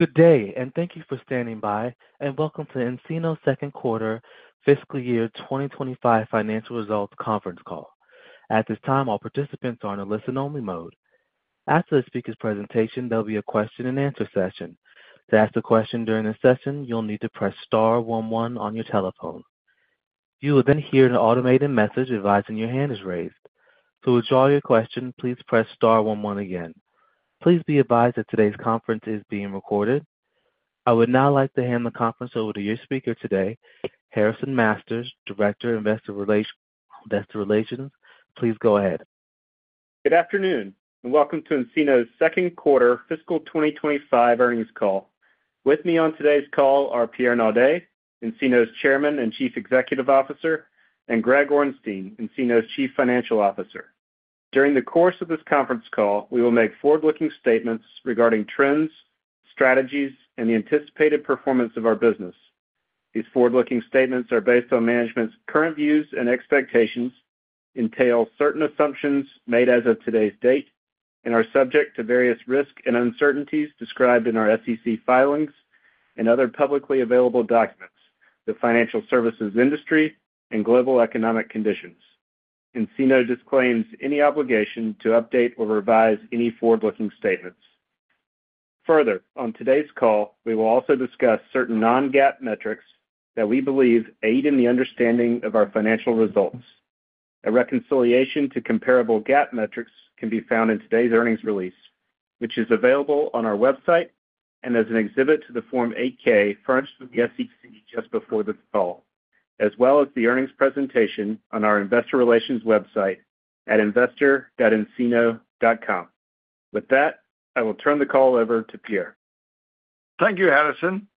Good day, and thank you for standing by, and welcome to nCino's second quarter fiscal year twenty twenty-five financial results conference call. At this time, all participants are in a listen-only mode. After the speaker's presentation, there'll be a question-and-answer session. To ask a question during the session, you'll need to press star one one on your telephone. You will then hear an automated message advising your hand is raised. To withdraw your question, please press star one one again. Please be advised that today's conference is being recorded. I would now like to hand the conference over to your speaker today, Harrison Masters, Director of Investor Relations. Investor Relations. Please go ahead. Good afternoon, and welcome to nCino's second quarter fiscal twenty twenty-five earnings call. With me on today's call are Pierre Naudé, nCino's Chairman and Chief Executive Officer, and Greg Orenstein, nCino's Chief Financial Officer. During the course of this conference call, we will make forward-looking statements regarding trends, strategies, and the anticipated performance of our business. These forward-looking statements are based on management's current views and expectations, entail certain assumptions made as of today's date, and are subject to various risks and uncertainties described in our SEC filings and other publicly available documents, the financial services industry, and global economic conditions. nCino disclaims any obligation to update or revise any forward-looking statements. Further, on today's call, we will also discuss certain non-GAAP metrics that we believe aid in the understanding of our financial results. A reconciliation to comparable GAAP metrics can be found in today's earnings release, which is available on our website and as an exhibit to the Form 8-K furnished with the SEC just before this call, as well as the earnings presentation on our investor relations website at investor.ncino.com. With that, I will turn the call over to Pierre. Thank you, Harrison.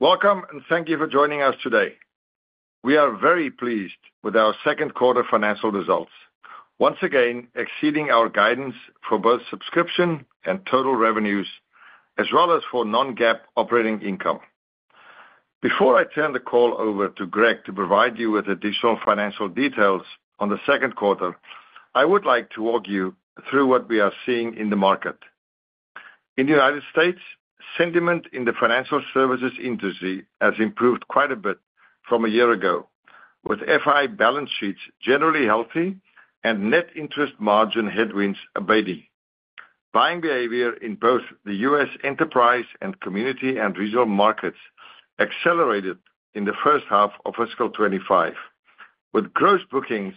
Welcome, and thank you for joining us today. We are very pleased with our second quarter financial results, once again, exceeding our guidance for both subscription and total revenues, as well as for Non-GAAP operating income. Before I turn the call over to Greg to provide you with additional financial details on the second quarter, I would like to walk you through what we are seeing in the market. In the United States, sentiment in the financial services industry has improved quite a bit from a year ago, with FI balance sheets generally healthy and net interest margin headwinds abating. Buying behavior in both the U.S. enterprise and community and regional markets accelerated in the first half of fiscal twenty-five, with gross bookings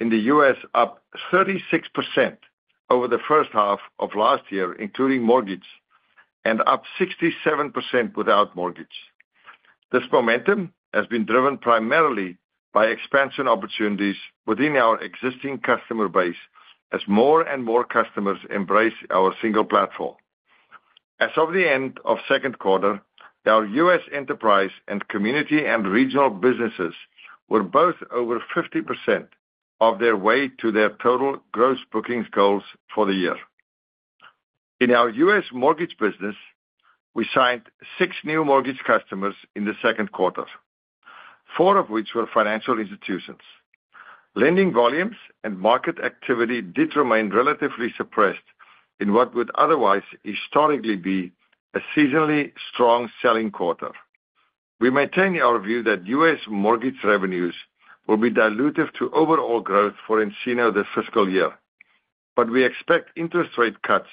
in the U.S. up 36% over the first half of last year, including mortgage, and up 67% without mortgage. This momentum has been driven primarily by expansion opportunities within our existing customer base as more and more customers embrace our single platform. As of the end of second quarter, our U.S. enterprise and community and regional businesses were both over 50% of their way to their total gross bookings goals for the year. In our U.S. mortgage business, we signed six new mortgage customers in the second quarter, four of which were financial institutions. Lending volumes and market activity did remain relatively suppressed in what would otherwise historically be a seasonally strong selling quarter. We maintain our view that U.S. mortgage revenues will be dilutive to overall growth for nCino this fiscal year, but we expect interest rate cuts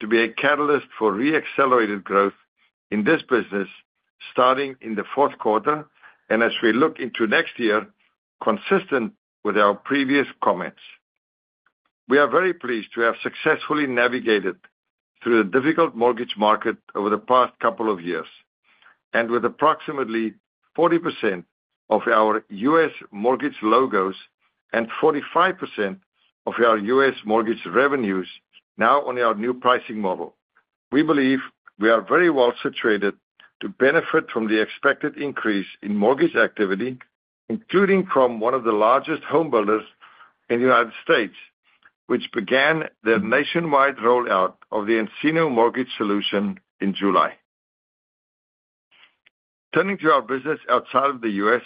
to be a catalyst for re-accelerated growth in this business, starting in the fourth quarter and as we look into next year, consistent with our previous comments. We are very pleased to have successfully navigated through the difficult mortgage market over the past couple of years, and with approximately 40% of our U.S. mortgage logos and 45% of our U.S. mortgage revenues now on our new pricing model, we believe we are very well situated to benefit from the expected increase in mortgage activity, including from one of the largest home builders in the United States, which began their nationwide rollout of the nCino Mortgage solution in July. Turning to our business outside of the U.S.,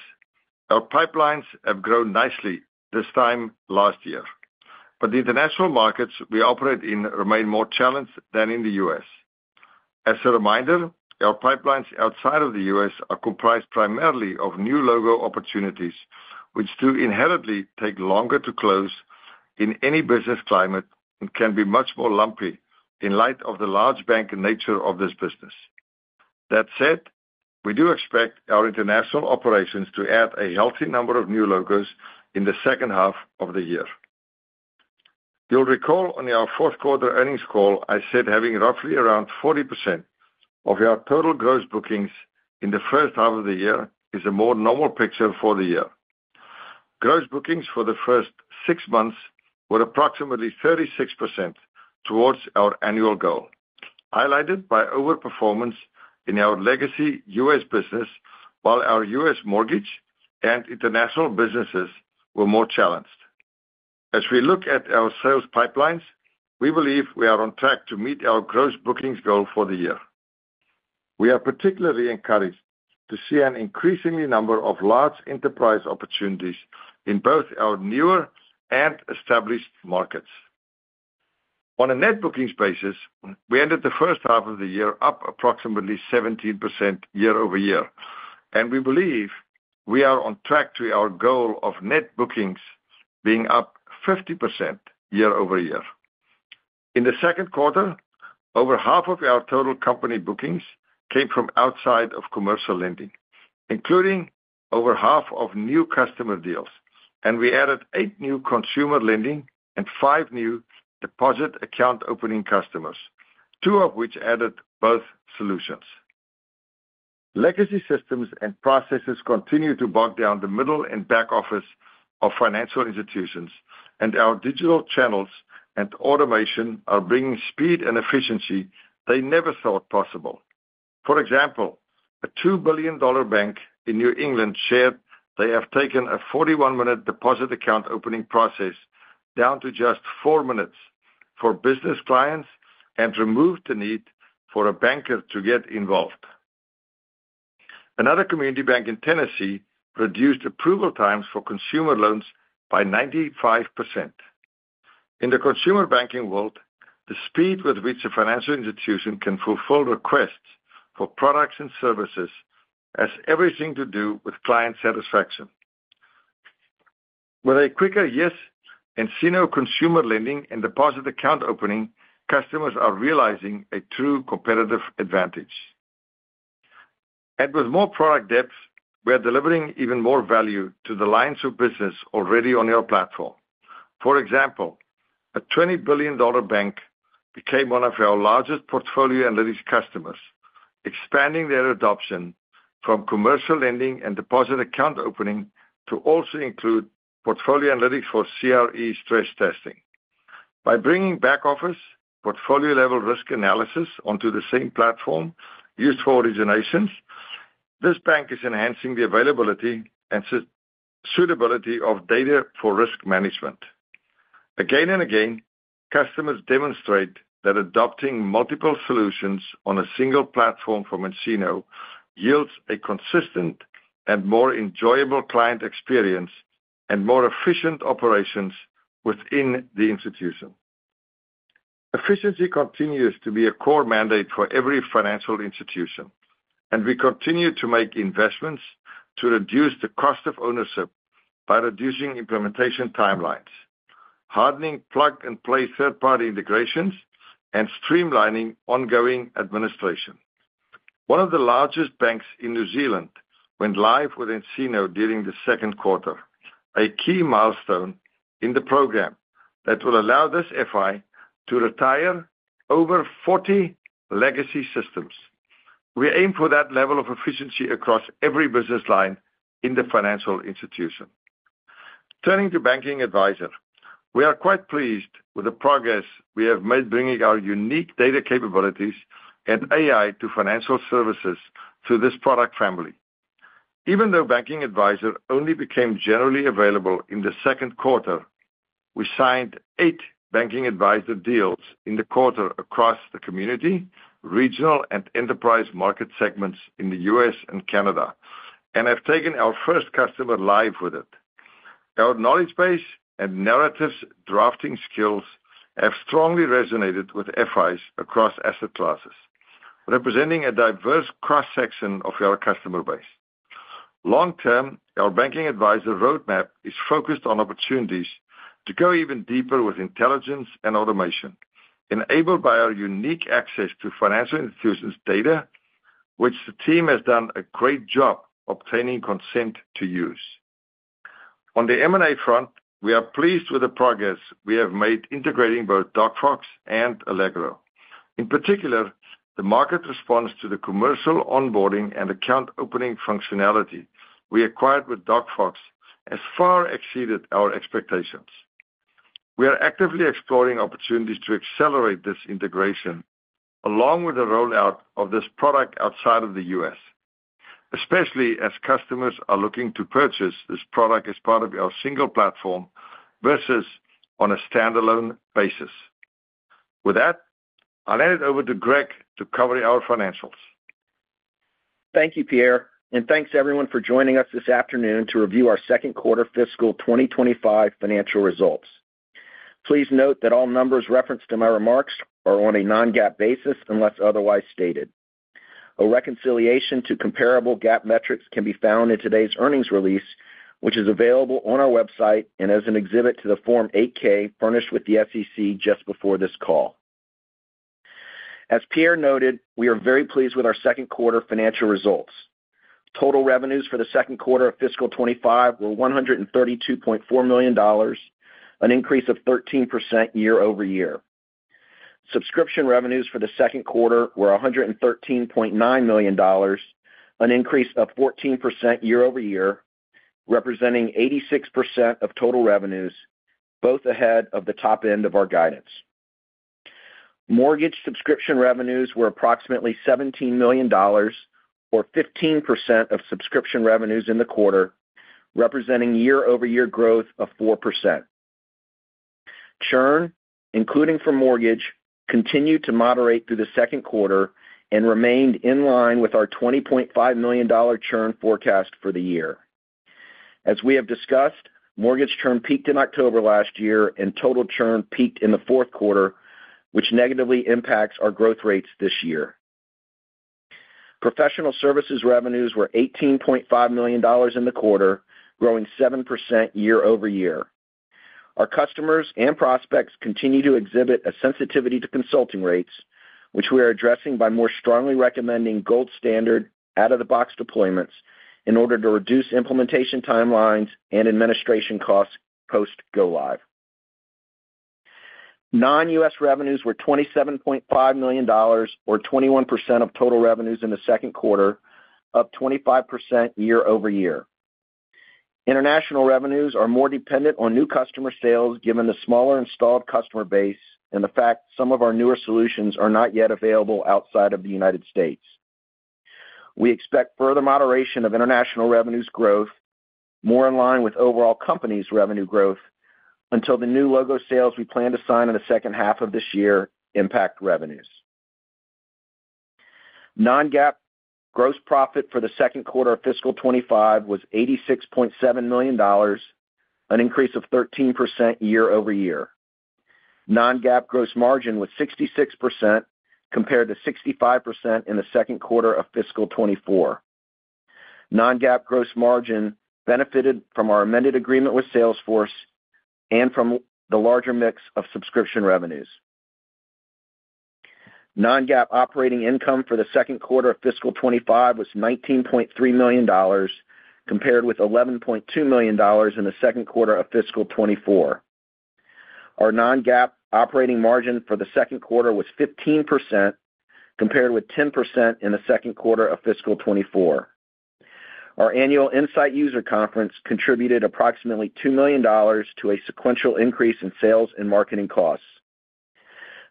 our pipelines have grown nicely this time last year, but the international markets we operate in remain more challenged than in the U.S. As a reminder, our pipelines outside of the U.S. are comprised primarily of new logo opportunities, which do inherently take longer to close in any business climate and can be much more lumpy in light of the large bank nature of this business. That said, we do expect our international operations to add a healthy number of new logos in the second half of the year. You'll recall on our fourth quarter earnings call, I said having roughly around 40% of our total gross bookings in the first half of the year is a more normal picture for the year. Gross bookings for the first six months were approximately 36% towards our annual goal, highlighted by overperformance in our legacy U.S. business, while our U.S. mortgage and international businesses were more challenged. As we look at our sales pipelines, we believe we are on track to meet our gross bookings goal for the year. We are particularly encouraged to see an increasing number of large enterprise opportunities in both our newer and established markets. On a net bookings basis, we ended the first half of the year up approximately 17% year-over-year, and we believe we are on track to our goal of net bookings being up 50% year-over-year. In the second quarter, over half of our total company bookings came from outside of commercial lending, including over half of new customer deals, and we added eight new consumer lending and five new deposit account opening customers, two of which added both solutions. Legacy systems and processes continue to bog down the middle and back office of financial institutions, and our digital channels and automation are bringing speed and efficiency they never thought possible. For example, a $2 billion bank in New England shared they have taken a 41-minute deposit account opening process down to just four minutes for business clients and removed the need for a banker to get involved. Another community bank in Tennessee reduced approval times for consumer loans by 95%. In the consumer banking world, the speed with which a financial institution can fulfill requests for products and services has everything to do with client satisfaction. With a quicker yes, nCino consumer lending and deposit account opening, customers are realizing a true competitive advantage. And with more product depth, we are delivering even more value to the lines of business already on our platform. For example, a $20 billion bank became one of our largest portfolio analytics customers, expanding their adoption from commercial lending and deposit account opening to also include portfolio analytics for CRE stress testing. By bringing back office portfolio-level risk analysis onto the same platform used for originations, this bank is enhancing the availability and suitability of data for risk management. Again and again, customers demonstrate that adopting multiple solutions on a single platform from nCino yields a consistent and more enjoyable client experience and more efficient operations within the institution. Efficiency continues to be a core mandate for every financial institution, and we continue to make investments to reduce the cost of ownership by reducing implementation timelines, hardening plug-and-play third-party integrations, and streamlining ongoing administration. One of the largest banks in New Zealand went live with nCino during the second quarter, a key milestone in the program that will allow this FI to retire over forty legacy systems. We aim for that level of efficiency across every business line in the financial institution. Turning to Banking Advisor, we are quite pleased with the progress we have made, bringing our unique data capabilities and AI to financial services through this product family. Even though Banking Advisor only became generally available in the second quarter, we signed eight Banking Advisor deals in the quarter across the community, regional, and enterprise market segments in the U.S. and Canada, and have taken our first customer live with it. Our knowledge base and narratives drafting skills have strongly resonated with FIs across asset classes, representing a diverse cross-section of our customer base. Long-term, our Banking Advisor roadmap is focused on opportunities to go even deeper with intelligence and automation, enabled by our unique access to financial institutions' data, which the team has done a great job obtaining consent to use. On the M&A front, we are pleased with the progress we have made integrating both DocFox and Allegro. In particular, the market response to the Commercial Onboarding and account opening functionality we acquired with DocFox has far exceeded our expectations. We are actively exploring opportunities to accelerate this integration, along with the rollout of this product outside of the U.S., especially as customers are looking to purchase this product as part of our single platform versus on a standalone basis. With that, I'll hand it over to Greg to cover our financials. Thank you, Pierre, and thanks, everyone, for joining us this afternoon to review our second quarter fiscal 2025 financial results. Please note that all numbers referenced in my remarks are on a non-GAAP basis, unless otherwise stated. A reconciliation to comparable GAAP metrics can be found in today's earnings release, which is available on our website and as an exhibit to the Form 8-K furnished with the SEC just before this call. As Pierre noted, we are very pleased with our second quarter financial results. Total revenues for the second quarter of fiscal 2025 were $132.4 million, an increase of 13% year-over-year. Subscription revenues for the second quarter were $113.9 million, an increase of 14% year-over-year, representing 86% of total revenues, both ahead of the top end of our guidance. Mortgage subscription revenues were approximately $17 million, or 15% of subscription revenues in the quarter, representing year-over-year growth of 4%. Churn, including for mortgage, continued to moderate through the second quarter and remained in line with our $20.5 million churn forecast for the year. As we have discussed, mortgage churn peaked in October last year, and total churn peaked in the fourth quarter, which negatively impacts our growth rates this year. Professional services revenues were $18.5 million in the quarter, growing 7% year-over-year. Our customers and prospects continue to exhibit a sensitivity to consulting rates, which we are addressing by more strongly recommending gold standard out-of-the-box deployments in order to reduce implementation timelines and administration costs post go live. Non-U.S. revenues were $27.5 million, or 21% of total revenues in the second quarter, up 25% year-over-year. International revenues are more dependent on new customer sales, given the smaller installed customer base and the fact some of our newer solutions are not yet available outside of the United States. We expect further moderation of international revenues growth, more in line with overall company's revenue growth, until the new logo sales we plan to sign in the second half of this year impact revenues. Non-GAAP gross profit for the second quarter of fiscal 2025 was $86.7 million, an increase of 13% year-over-year. Non-GAAP gross margin was 66%, compared to 65% in the second quarter of fiscal 2024. Non-GAAP gross margin benefited from our amended agreement with Salesforce and from the larger mix of subscription revenues. Non-GAAP operating income for the second quarter of fiscal 2025 was $19.3 million, compared with $11.2 million in the second quarter of fiscal 2024. Our non-GAAP operating margin for the second quarter was 15%, compared with 10% in the second quarter of fiscal 2024. Our annual Insight user conference contributed approximately $2 million to a sequential increase in sales and marketing costs.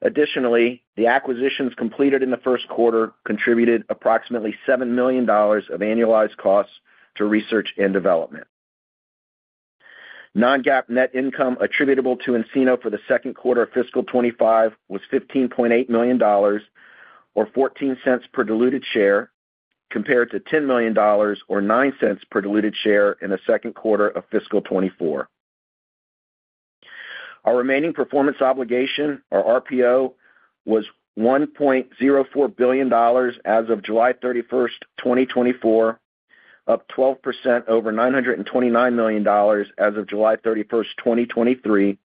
Additionally, the acquisitions completed in the first quarter contributed approximately $7 million of annualized costs to research and development. Non-GAAP net income attributable to nCino for the second quarter of fiscal 2025 was $15.8 million, or $0.14 per diluted share, compared to $10 million, or $0.09 per diluted share in the second quarter of fiscal 2024. Our remaining performance obligation, or RPO, was $1.04 billion as of July 31, 2024, up 12% over $929 million as of July 31, 2023,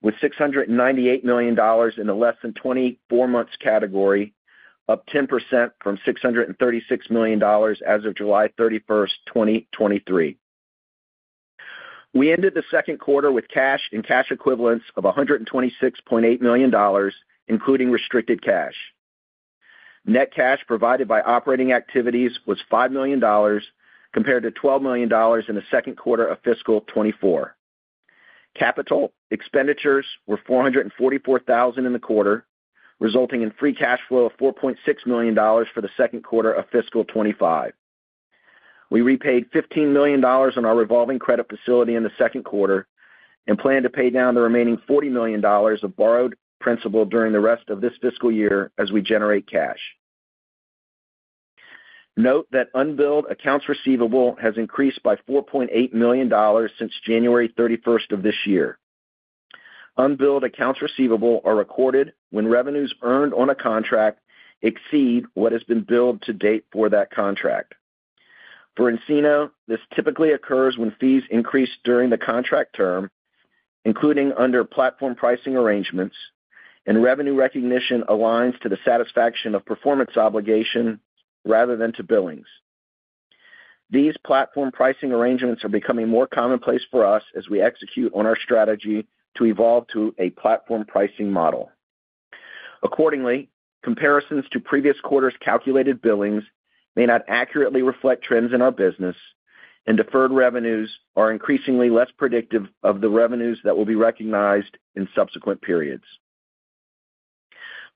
with $698 million in the less than 24 months category, up 10% from $636 million as of July 31, 2023. We ended the second quarter with cash and cash equivalents of $126.8 million, including restricted cash. Net cash provided by operating activities was $5 million, compared to $12 million in the second quarter of fiscal 2024. Capital expenditures were $444,000 in the quarter, resulting in free cash flow of $4.6 million for the second quarter of fiscal 2025. We repaid $15 million on our revolving credit facility in the second quarter and plan to pay down the remaining $40 million of borrowed principal during the rest of this fiscal year as we generate cash. Note that unbilled accounts receivable has increased by $4.8 million since January 31 of this year. Unbilled accounts receivable are recorded when revenues earned on a contract exceed what has been billed to date for that contract. For nCino, this typically occurs when fees increase during the contract term, including under platform pricing arrangements, and revenue recognition aligns to the satisfaction of performance obligation rather than to billings. These platform pricing arrangements are becoming more commonplace for us as we execute on our strategy to evolve to a platform pricing model. Accordingly, comparisons to previous quarters' calculated billings may not accurately reflect trends in our business, and deferred revenues are increasingly less predictive of the revenues that will be recognized in subsequent periods.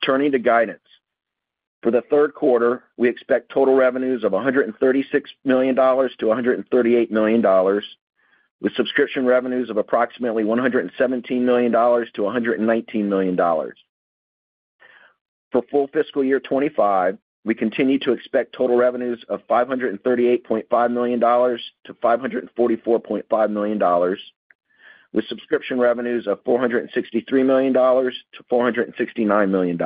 Turning to guidance. For the third quarter, we expect total revenues of $136 million-$138 million, with subscription revenues of approximately $117 million-$119 million. For full fiscal year twenty-five, we continue to expect total revenues of $538.5 million-$544.5 million, with subscription revenues of $463 million-$469 million.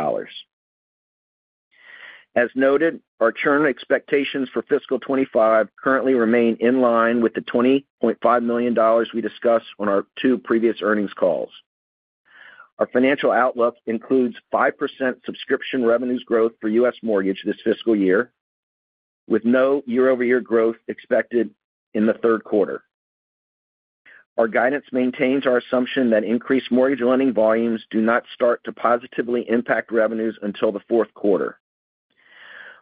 As noted, our churn expectations for fiscal twenty-five currently remain in line with the $20.5 million we discussed on our two previous earnings calls. Our financial outlook includes 5% subscription revenues growth for US mortgage this fiscal year, with no year-over-year growth expected in the third quarter. Our guidance maintains our assumption that increased mortgage lending volumes do not start to positively impact revenues until the fourth quarter.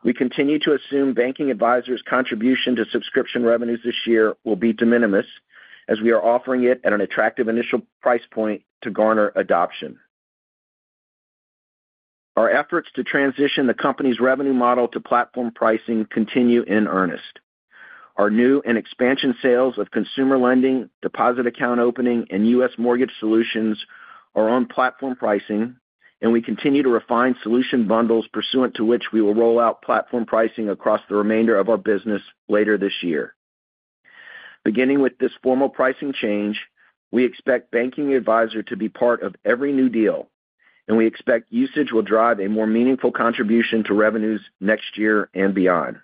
We continue to assume banking advisors' contribution to subscription revenues this year will be de minimis, as we are offering it at an attractive initial price point to garner adoption. Our efforts to transition the company's revenue model to platform pricing continue in earnest. Our new and expansion sales of consumer lending, deposit account opening, and US mortgage solutions are on platform pricing, and we continue to refine solution bundles pursuant to which we will roll out platform pricing across the remainder of our business later this year. Beginning with this formal pricing change, we expect banking advisor to be part of every new deal, and we expect usage will drive a more meaningful contribution to revenues next year and beyond.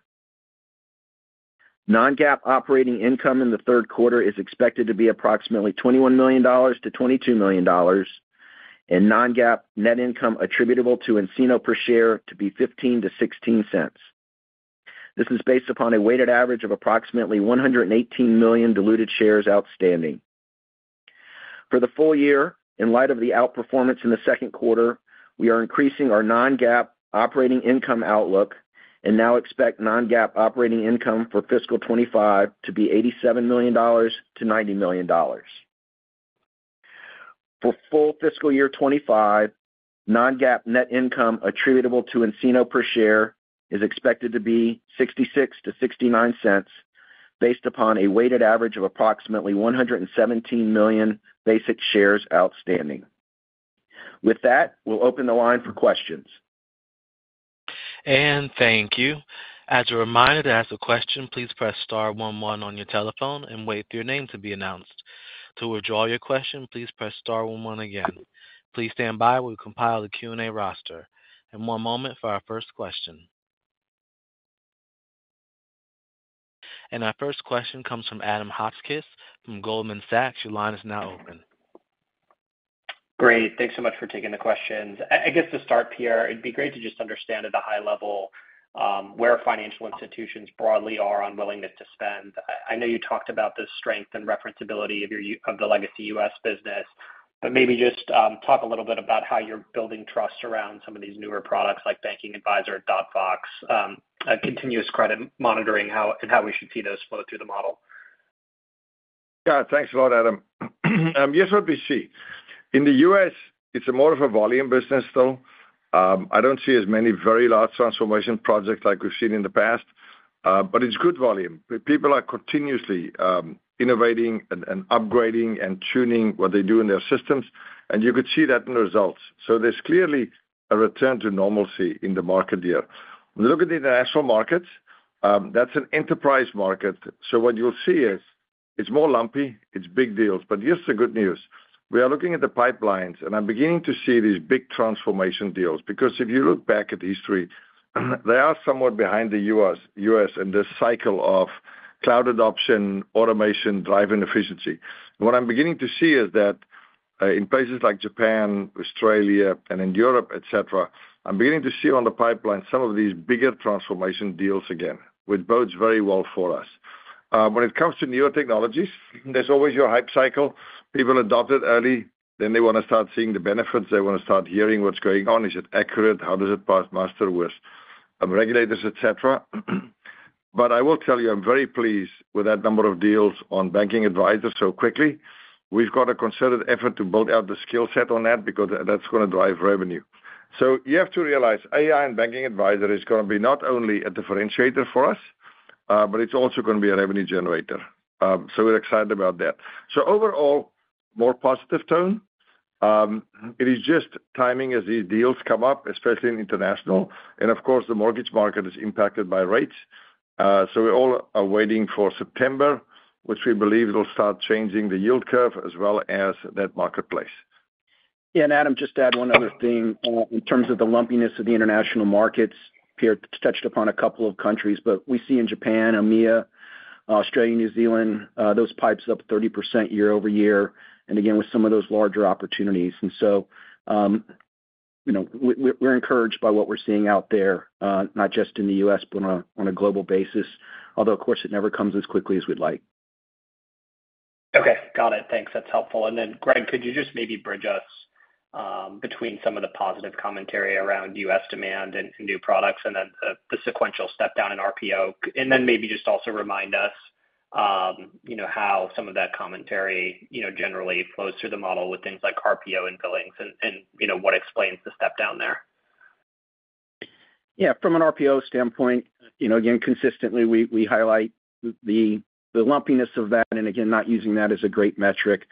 Non-GAAP operating income in the third quarter is expected to be approximately $21 million-$22 million, and non-GAAP net income attributable to nCino per share to be $0.15-$0.16. This is based upon a weighted average of approximately 118 million diluted shares outstanding. For the full year, in light of the outperformance in the second quarter, we are increasing our non-GAAP operating income outlook and now expect non-GAAP operating income for fiscal 2025 to be $87 million-$90 million. For full fiscal year 2025, non-GAAP net income attributable to nCino per share is expected to be $0.66-$0.69, based upon a weighted average of approximately 117 million basic shares outstanding. With that, we'll open the line for questions. Thank you. As a reminder, to ask a question, please press star one one on your telephone and wait for your name to be announced. To withdraw your question, please press star one one again. Please stand by. We'll compile the Q&A roster. One moment for our first question. Our first question comes from Adam Hotchkiss from Goldman Sachs. Your line is now open. Great. Thanks so much for taking the questions. I guess to start, Pierre, it'd be great to just understand at a high level, where financial institutions broadly are on willingness to spend. I know you talked about the strength and referenceability of your U.S. legacy business, but maybe just, talk a little bit about how you're building trust around some of these newer products, like Banking Advisor, DocFox, Continuous Credit Monitoring, and how we should see those flow through the model. Yeah, thanks a lot, Adam. Here's what we see. In the U.S., it's more of a volume business still. I don't see as many very large transformation projects like we've seen in the past, but it's good volume. People are continuously innovating and upgrading and tuning what they do in their systems, and you could see that in the results. So there's clearly a return to normalcy in the market here. Look at the international markets, that's an enterprise market. So what you'll see is, it's more lumpy, it's big deals. But here's the good news: We are looking at the pipelines, and I'm beginning to see these big transformation deals, because if you look back at history, they are somewhat behind the U.S. in this cycle of cloud adoption, automation, driving efficiency. What I'm beginning to see is that in places like Japan, Australia, and in Europe, et cetera, I'm beginning to see on the pipeline some of these bigger transformation deals again, which bodes very well for us. When it comes to newer technologies, there's always the hype cycle. People adopt it early, then they want to start seeing the benefits, they want to start hearing what's going on. Is it accurate? How does it pass muster with regulators, et cetera? But I will tell you, I'm very pleased with that number of deals on Banking Advisors so quickly. We've got a concerted effort to build out the skill set on that, because that's gonna drive revenue. So you have to realize, AI and Banking Advisor is gonna be not only a differentiator for us, but it's also gonna be a revenue generator. So we're excited about that. So overall, more positive tone. It is just timing as these deals come up, especially in international, and of course, the mortgage market is impacted by rates. So we all are waiting for September, which we believe will start changing the yield curve as well as that marketplace. Yeah, and Adam, just to add one other thing. In terms of the lumpiness of the international markets, Pierre touched upon a couple of countries, but we see in Japan, AMEA, Australia, New Zealand, those pipes up 30% year-over-year, and again, with some of those larger opportunities. And so, you know, we're encouraged by what we're seeing out there, not just in the U.S., but on a global basis, although, of course, it never comes as quickly as we'd like. Okay, got it. Thanks, that's helpful. And then, Greg, could you just maybe bridge us between some of the positive commentary around U.S. demand and new products, and then the sequential step down in RPO? And then maybe just also remind us, you know, how some of that commentary, you know, generally flows through the model with things like RPO and billings and you know, what explains the step down there? Yeah, from an RPO standpoint, you know, again, consistently, we highlight the lumpiness of that, and again, not using that as a great metric.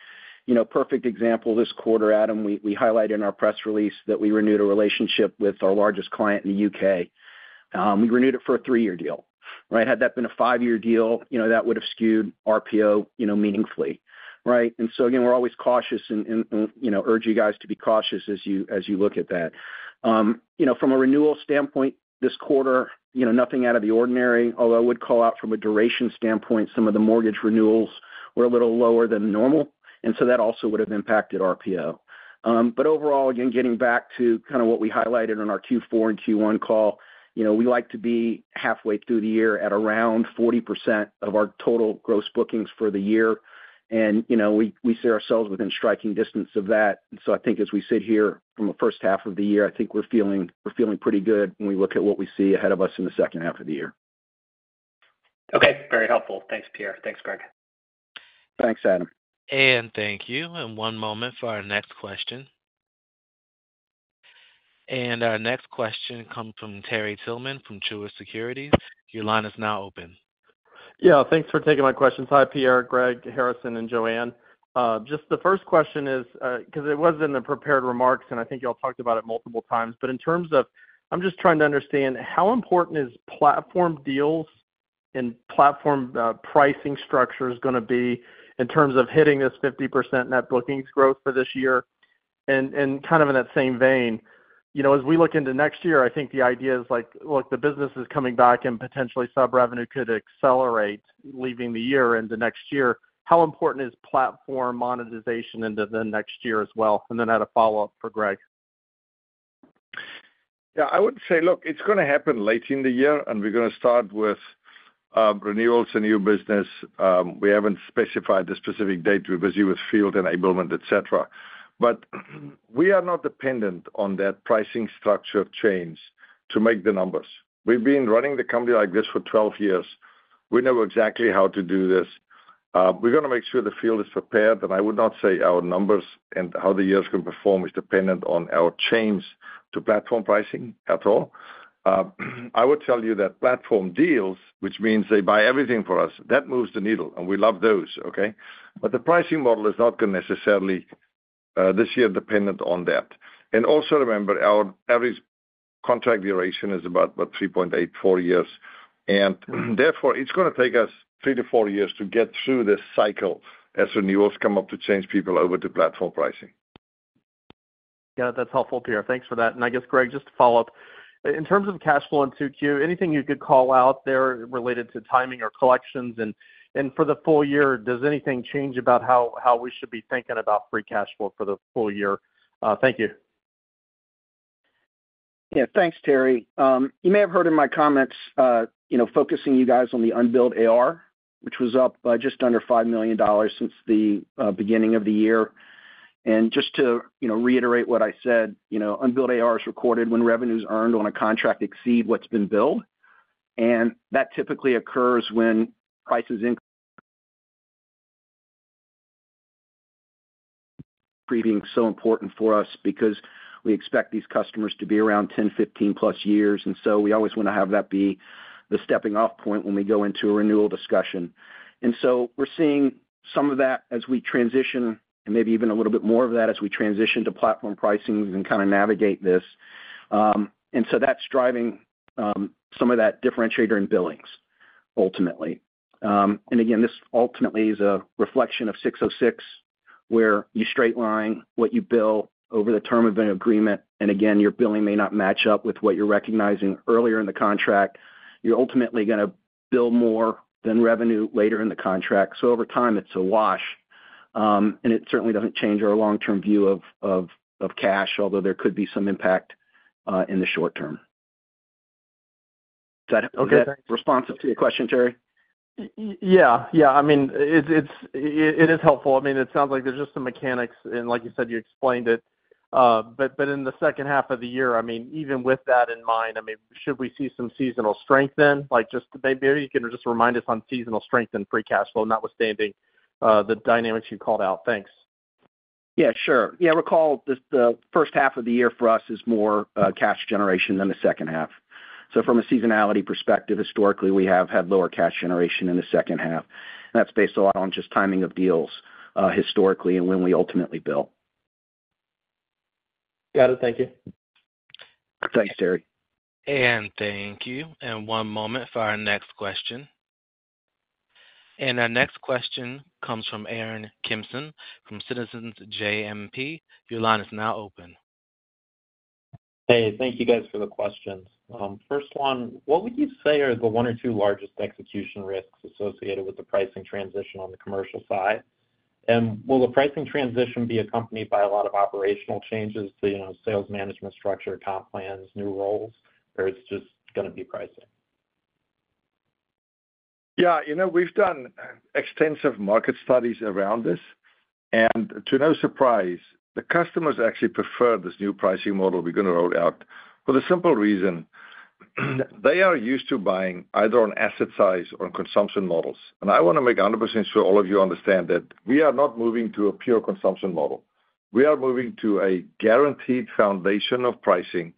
You know, perfect example, this quarter, Adam, we highlighted in our press release that we renewed a relationship with our largest client in the U.K. We renewed it for a three-year deal, right? Had that been a five-year deal, you know, that would have skewed RPO, you know, meaningfully, right? And so again, we're always cautious and, you know, urge you guys to be cautious as you look at that. You know, from a renewal standpoint, this quarter, you know, nothing out of the ordinary, although I would call out from a duration standpoint, some of the mortgage renewals were a little lower than normal, and so that also would have impacted RPO. But overall, again, getting back to kind of what we highlighted in our Q4 and Q1 call, you know, we like to be halfway through the year at around 40% of our total gross bookings for the year. And, you know, we see ourselves within striking distance of that. I think as we sit here from the first half of the year, I think we're feeling pretty good when we look at what we see ahead of us in the second half of the year. Okay, very helpful. Thanks, Pierre. Thanks, Greg. Thanks, Adam. And thank you. And one moment for our next question. And our next question comes from Terry Tillman from Truist Securities. Your line is now open. Yeah, thanks for taking my questions. Hi, Pierre, Greg, Harrison, and Joanne. Just the first question is, 'cause it was in the prepared remarks, and I think you all talked about it multiple times, but in terms of, I'm just trying to understand how important is platform deals and platform pricing structure is gonna be in terms of hitting this 50% net bookings growth for this year? And, and kind of in that same vein, you know, as we look into next year, I think the idea is like, look, the business is coming back and potentially sub-revenue could accelerate, leaving the year into next year. How important is platform monetization into the next year as well? And then I had a follow-up for Greg. Yeah, I would say, look, it's gonna happen late in the year, and we're gonna start with renewals and new business. We haven't specified the specific date. We're busy with field enablement, et cetera. But we are not dependent on that pricing structure change to make the numbers. We've been running the company like this for twelve years. We know exactly how to do this. We're gonna make sure the field is prepared, and I would not say our numbers and how the years can perform is dependent on our change to platform pricing at all. I would tell you that platform deals, which means they buy everything for us, that moves the needle, and we love those, okay? But the pricing model is not gonna necessarily this year dependent on that. And also remember, our average contract duration is about 3.84 years, and therefore, it's gonna take us three to four years to get through this cycle as renewals come up to change people over to platform pricing. Yeah, that's helpful, Pierre. Thanks for that. And I guess, Greg, just to follow up, in terms of cash flow in 2Q, anything you could call out there related to timing or collections? And for the full year, does anything change about how we should be thinking about free cash flow for the full year? Thank you. Yeah, thanks, Terry. You may have heard in my comments, you know, focusing you guys on the unbilled AR, which was up by just under $5 million since the beginning of the year. And just to, you know, reiterate what I said, you know, unbilled AR is recorded when revenues earned on a contract exceed what's been billed, and that typically occurs when prices increase. So important for us because we expect these customers to be around 10, 15 plus years, and so we always wanna have that be the stepping off point when we go into a renewal discussion. And so we're seeing some of that as we transition, and maybe even a little bit more of that as we transition to platform pricing and kind of navigate this. And so that's driving some of that differentiator in billings, ultimately. And again, this ultimately is a reflection of 606, where you straight line what you bill over the term of an agreement, and again, your billing may not match up with what you're recognizing earlier in the contract. You're ultimately gonna bill more than revenue later in the contract. So over time, it's a wash. And it certainly doesn't change our long-term view of cash, although there could be some impact in the short term. Does that- Okay. respond to your question, Terry? Yeah, yeah. I mean, it is helpful. I mean, it sounds like there's just some mechanics, and like you said, you explained it. But in the second half of the year, I mean, even with that in mind, I mean, should we see some seasonal strength then? Like, just maybe you can just remind us on seasonal strength and free cash flow, notwithstanding the dynamics you called out. Thanks. Yeah, sure. Yeah, recall the first half of the year for us is more cash generation than the second half, so from a seasonality perspective, historically, we have had lower cash generation in the second half, and that's based a lot on just timing of deals, historically and when we ultimately bill. Got it. Thank you. Thanks, Terry. Thank you. One moment for our next question. Our next question comes from Aaron Kimson, from Citizens JMP. Your line is now open. Hey, thank you guys for the questions. First one, what would you say are the one or two largest execution risks associated with the pricing transition on the commercial side? And will the pricing transition be accompanied by a lot of operational changes to, you know, sales management structure, comp plans, new roles, or it's just gonna be pricing? Yeah, you know, we've done extensive market studies around this, and to no surprise, the customers actually prefer this new pricing model we're gonna roll out for the simple reason they are used to buying either on asset size or on consumption models. And I want to make 100% sure all of you understand that we are not moving to a pure consumption model. We are moving to a guaranteed foundation of pricing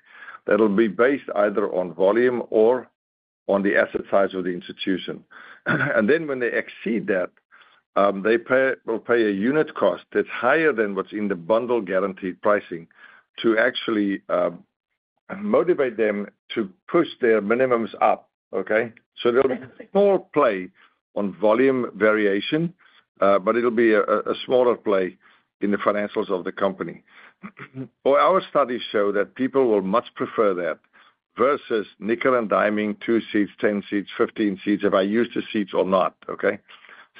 that'll be based either on volume or on the asset size of the institution. And then when they exceed that, will pay a unit cost that's higher than what's in the bundle guaranteed pricing to actually motivate them to push their minimums up, okay? So there'll be more play on volume variation, but it'll be a smaller play in the financials of the company. Our studies show that people will much prefer that versus nickel and diming, two seats, ten seats, fifteen seats, have I used the seats or not, okay?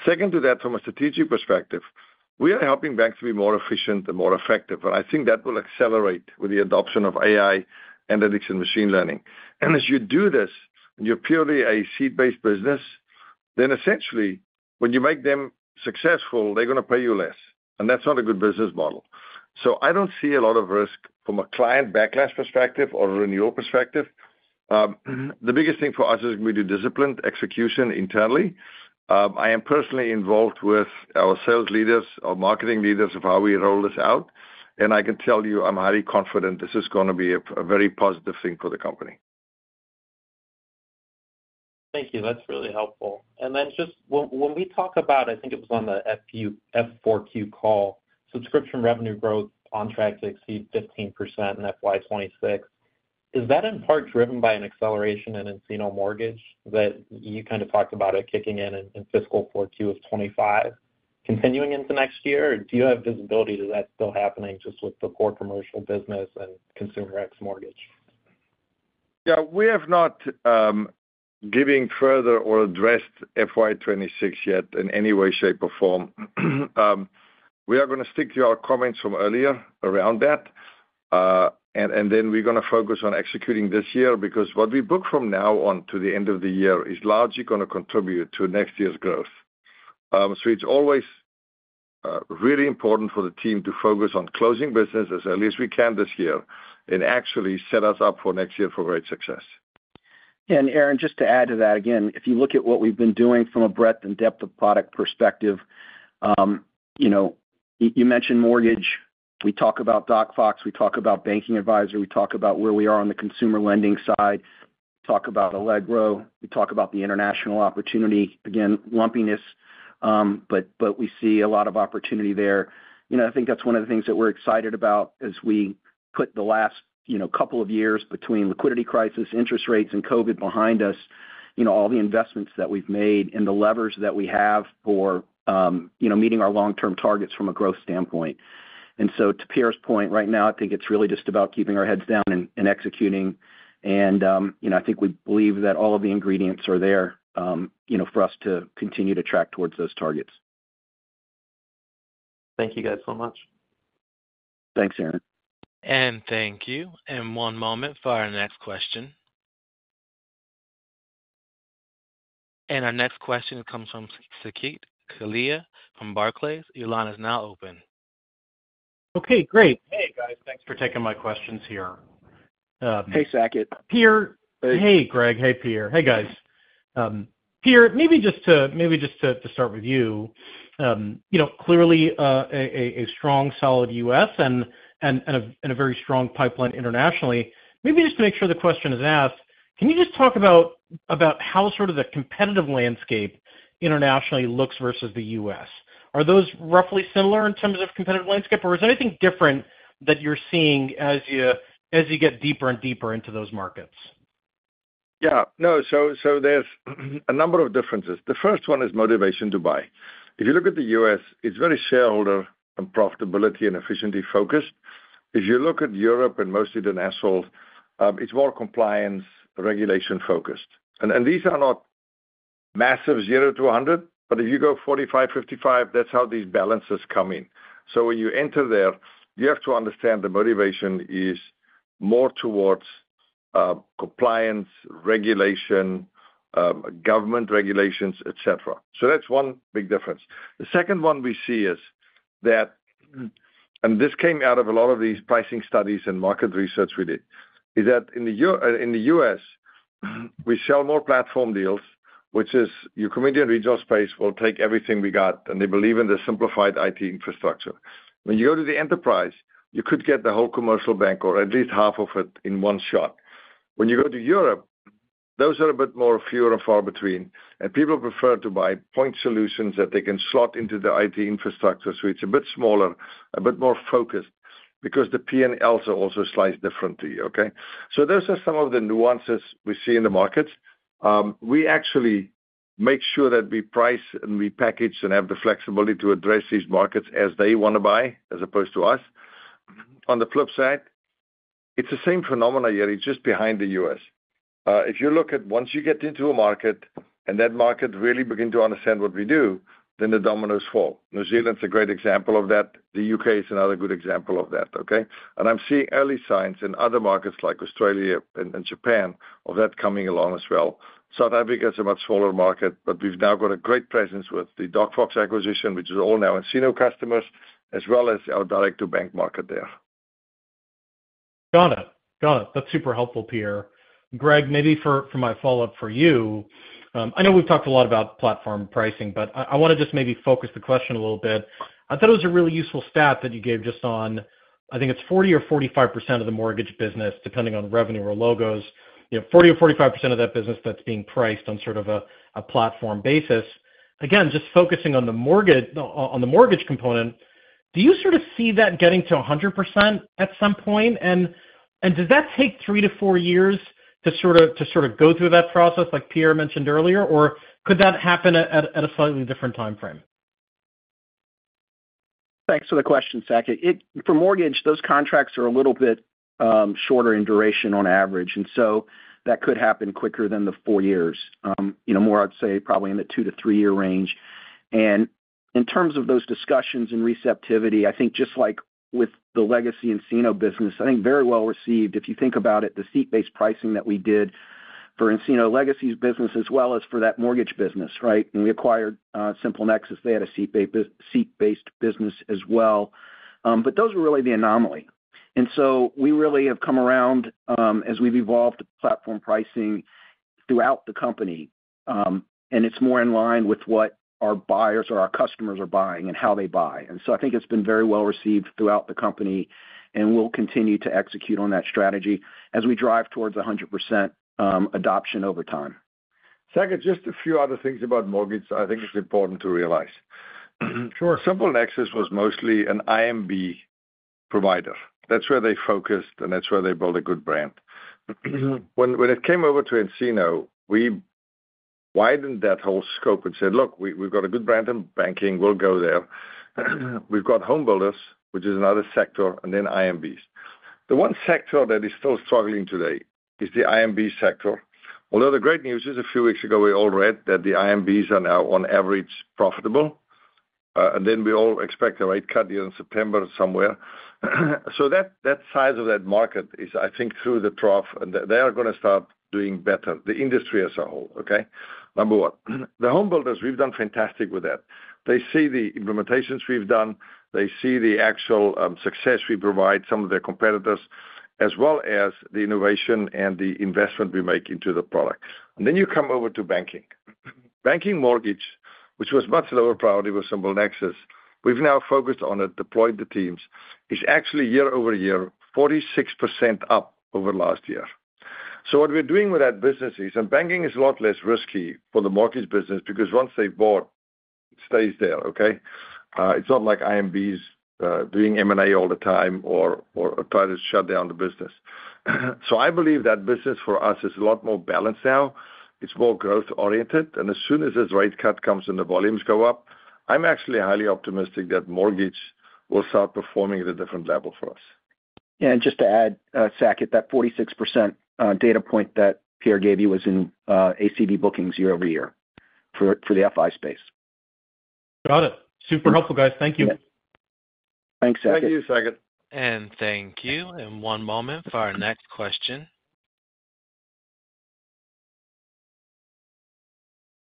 Second to that, from a strategic perspective, we are helping banks to be more efficient and more effective, and I think that will accelerate with the adoption of AI, analytics and machine learning. And as you do this, and you're purely a seat-based business, then essentially, when you make them successful, they're gonna pay you less, and that's not a good business model, so I don't see a lot of risk from a client backlash perspective or a renewal perspective. The biggest thing for us is we do disciplined execution internally. I am personally involved with our sales leaders, our marketing leaders, of how we roll this out, and I can tell you, I'm highly confident this is gonna be a very positive thing for the company. Thank you. That's really helpful. And then just when we talk about, I think it was on the FY Q4 call, subscription revenue growth on track to exceed 15% in FY 2026, is that in part driven by an acceleration in nCino Mortgage that you kind of talked about it kicking in in fiscal 4Q of 2025 continuing into next year? Or do you have visibility to that still happening just with the core commercial business and Consumer ex Mortgage? Yeah, we have not given further or addressed FY twenty-six yet in any way, shape, or form. We are gonna stick to our comments from earlier around that. And then we're gonna focus on executing this year, because what we book from now on to the end of the year is largely gonna contribute to next year's growth. So it's always really important for the team to focus on closing business as early as we can this year and actually set us up for next year for great success. And Aaron, just to add to that, again, if you look at what we've been doing from a breadth and depth of product perspective, you know, you mentioned mortgage. We talk about DocFox, we talk about Banking Advisor, we talk about where we are on the Consumer Lending side, talk about Allegro, we talk about the international opportunity. Again, lumpiness, but we see a lot of opportunity there. You know, I think that's one of the things that we're excited about as we put the last couple of years between liquidity crisis, interest rates, and COVID behind us, you know, all the investments that we've made and the levers that we have for meeting our long-term targets from a growth standpoint. And so to Pierre's point, right now, I think it's really just about keeping our heads down and executing. You know, I think we believe that all of the ingredients are there, you know, for us to continue to track towards those targets. Thank you, guys, so much. Thanks, Aaron. Thank you. One moment for our next question. Our next question comes from Saket Kalia from Barclays. Your line is now open. Okay, great. Hey, guys, thanks for taking my questions here. Hey, Saket. Pierre. Hey. Hey, Greg. Hey, Pierre. Hey, guys. Pierre, maybe just to start with you. You know, clearly, a strong, solid U.S. and a very strong pipeline internationally. Maybe just to make sure the question is asked, can you just talk about how sort of the competitive landscape internationally looks versus the U.S.? Are those roughly similar in terms of competitive landscape, or is there anything different that you're seeing as you get deeper and deeper into those markets? Yeah. No, so, so there's a number of differences. The first one is motivation to buy. If you look at the U.S., it's very shareholder and profitability and efficiency-focused. If you look at Europe and most of the nationals, it's more compliance, regulation-focused. And, and these are not massive zero to one hundred, but if you go forty-five, fifty-five, that's how these balances come in. So when you enter there, you have to understand the motivation is more towards compliance, regulation, government regulations, et cetera. So that's one big difference. The second one we see is that, and this came out of a lot of these pricing studies and market research we did, is that in the U.S., we sell more platform deals, which is your community and regional space will take everything we got, and they believe in the simplified IT infrastructure. When you go to the enterprise, you could get the whole commercial bank or at least half of it in one shot. When you go to Europe, those are a bit more fewer and far between, and people prefer to buy point solutions that they can slot into the IT infrastructure. So it's a bit smaller, a bit more focused because the P&Ls are also sliced differently, okay? So those are some of the nuances we see in the markets. We actually make sure that we price and we package and have the flexibility to address these markets as they wanna buy, as opposed to us. On the flip side, it's the same phenomena, yet it's just behind the U.S. If you look at once you get into a market and that market really begin to understand what we do, then the dominoes fall. New Zealand's a great example of that. The U.K. is another good example of that, okay? And I'm seeing early signs in other markets like Australia and Japan, of that coming along as well. South Africa is a much smaller market, but we've now got a great presence with the DocFox acquisition, which is all now nCino customers, as well as our direct to bank market there. Got it. Got it. That's super helpful, Pierre. Greg, maybe for my follow-up for you. I know we've talked a lot about platform pricing, but I wanna just maybe focus the question a little bit. I thought it was a really useful stat that you gave just on... I think it's 40% or 45% of the mortgage business, depending on revenue or logos. You know, 40% or 45% of that business that's being priced on sort of a platform basis. Again, just focusing on the mortgage, on the mortgage component, do you sort of see that getting to 100% at some point? And does that take three to four years to sort of go through that process like Pierre mentioned earlier? Or could that happen at a slightly different time frame? Thanks for the question, Saket. For mortgage, those contracts are a little bit shorter in duration on average, and so that could happen quicker than the four years. You know, more, I'd say, probably in the two to three-year range. And in terms of those discussions and receptivity, I think just like with the legacy nCino business, I think very well received. If you think about it, the seat-based pricing that we did for nCino legacy's business as well as for that mortgage business, right? When we acquired SimpleNexus, they had a seat-based business as well. But those were really the anomaly. And so we really have come around, as we've evolved the platform pricing throughout the company, and it's more in line with what our buyers or our customers are buying and how they buy. And so I think it's been very well received throughout the company, and we'll continue to execute on that strategy as we drive towards 100% adoption over time. ...Saket, just a few other things about mortgage, I think it's important to realize. SimpleNexus was mostly an IMB provider. That's where they focused, and that's where they built a good brand. When it came over to nCino, we widened that whole scope and said, "Look, we, we've got a good brand in banking. We'll go there. We've got home builders, which is another sector, and then IMBs." The one sector that is still struggling today is the IMB sector. Although the great news is a few weeks ago, we all read that the IMBs are now, on average, profitable. And then we all expect a rate cut in September somewhere. So that, that size of that market is, I think, through the trough, and they are gonna start doing better, the industry as a whole, okay? Number one. The home builders, we've done fantastic with that. They see the implementations we've done, they see the actual success we provide some of their competitors, as well as the innovation and the investment we make into the product. And then you come over to banking. Banking mortgage, which was much lower priority with SimpleNexus, we've now focused on it, deployed the teams, is actually year-over-year, 46% up over last year. So what we're doing with that business is, and banking is a lot less risky for the mortgage business, because once they've bought, it stays there, okay? It's not like IMBs doing M&A all the time or trying to shut down the business. So I believe that business for us is a lot more balanced now. It's more growth-oriented, and as soon as this rate cut comes and the volumes go up, I'm actually highly optimistic that mortgage will start performing at a different level for us. Just to add, Saket, that 46% data point that Pierre gave you was in ACV bookings year-over-year for the FI space. Got it. Super helpful, guys. Thank you. Thanks, Saket. Thank you, Saket. Thank you. One moment for our next question.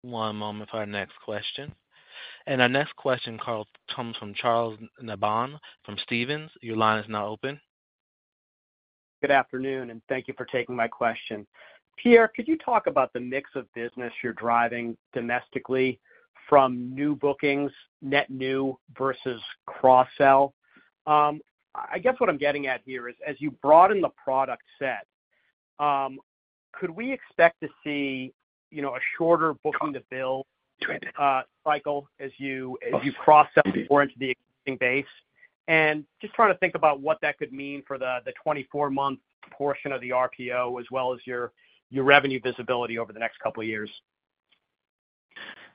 Our next question comes from Charles Nabhan from Stephens. Your line is now open. Good afternoon, and thank you for taking my question. Pierre, could you talk about the mix of business you're driving domestically from new bookings, net new versus cross-sell? I guess what I'm getting at here is, as you broaden the product set, could we expect to see, you know, a shorter booking-to-bill cycle as you cross-sell more into the existing base? And just trying to think about what that could mean for the twenty-four month portion of the RPO, as well as your revenue visibility over the next couple of years.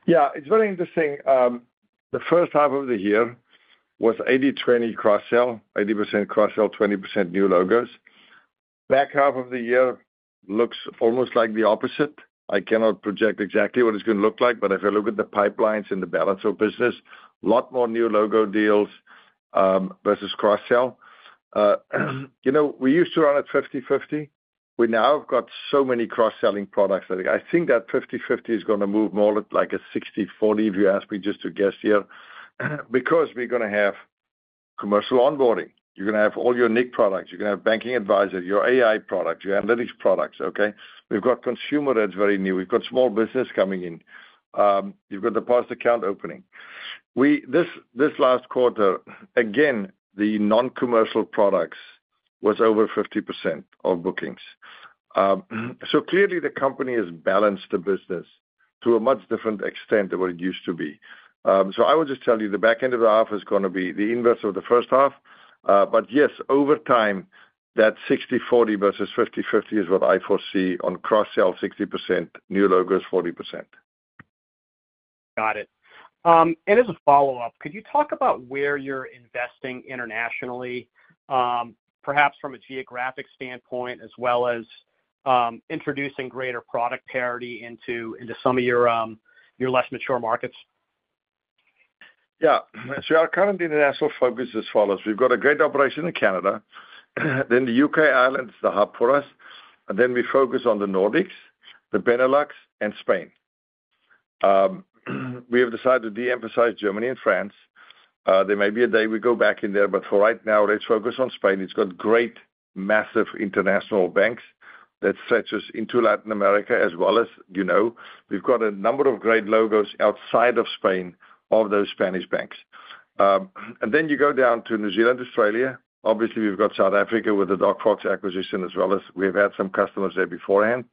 Yeah, it's very interesting. The first half of the year was 80/20 cross-sell, 80% cross-sell, 20% new logos. Back half of the year looks almost like the opposite. I cannot project exactly what it's going to look like, but if I look at the pipelines and the balance of business, a lot more new logo deals versus cross-sell. You know, we used to run at 50/50. We now have got so many cross-selling products that I think that 50/50 is gonna move more like a 60/40, if you ask me just to guess here, because we're gonna have commercial onboarding. You're gonna have all your nIQ products, you're gonna have banking advisors, your AI products, your analytics products, okay? We've got consumer that's very new. We've got small business coming in. You've got the deposit account opening. This last quarter, again, the non-commercial products was over 50% of bookings. So clearly the company has balanced the business to a much different extent than what it used to be. So I would just tell you, the back end of the half is gonna be the inverse of the first half. But yes, over time, that 60/40 versus 50/50 is what I foresee on cross-sell, 60%, new logos, 40%. Got it. And as a follow-up, could you talk about where you're investing internationally, perhaps from a geographic standpoint, as well as introducing greater product parity into some of your less mature markets? Yeah. So our current international focus is as follows: we've got a great operation in Canada, then the UK, Ireland is the hub for us, and then we focus on the Nordics, the Benelux, and Spain. We have decided to de-emphasize Germany and France. There may be a day we go back in there, but for right now, let's focus on Spain. It's got great, massive international banks that stretches into Latin America as well as, you know. We've got a number of great logos outside of Spain, of those Spanish banks. And then you go down to New Zealand, Australia. Obviously, we've got South Africa with the DocFox acquisition, as well as we've had some customers there beforehand.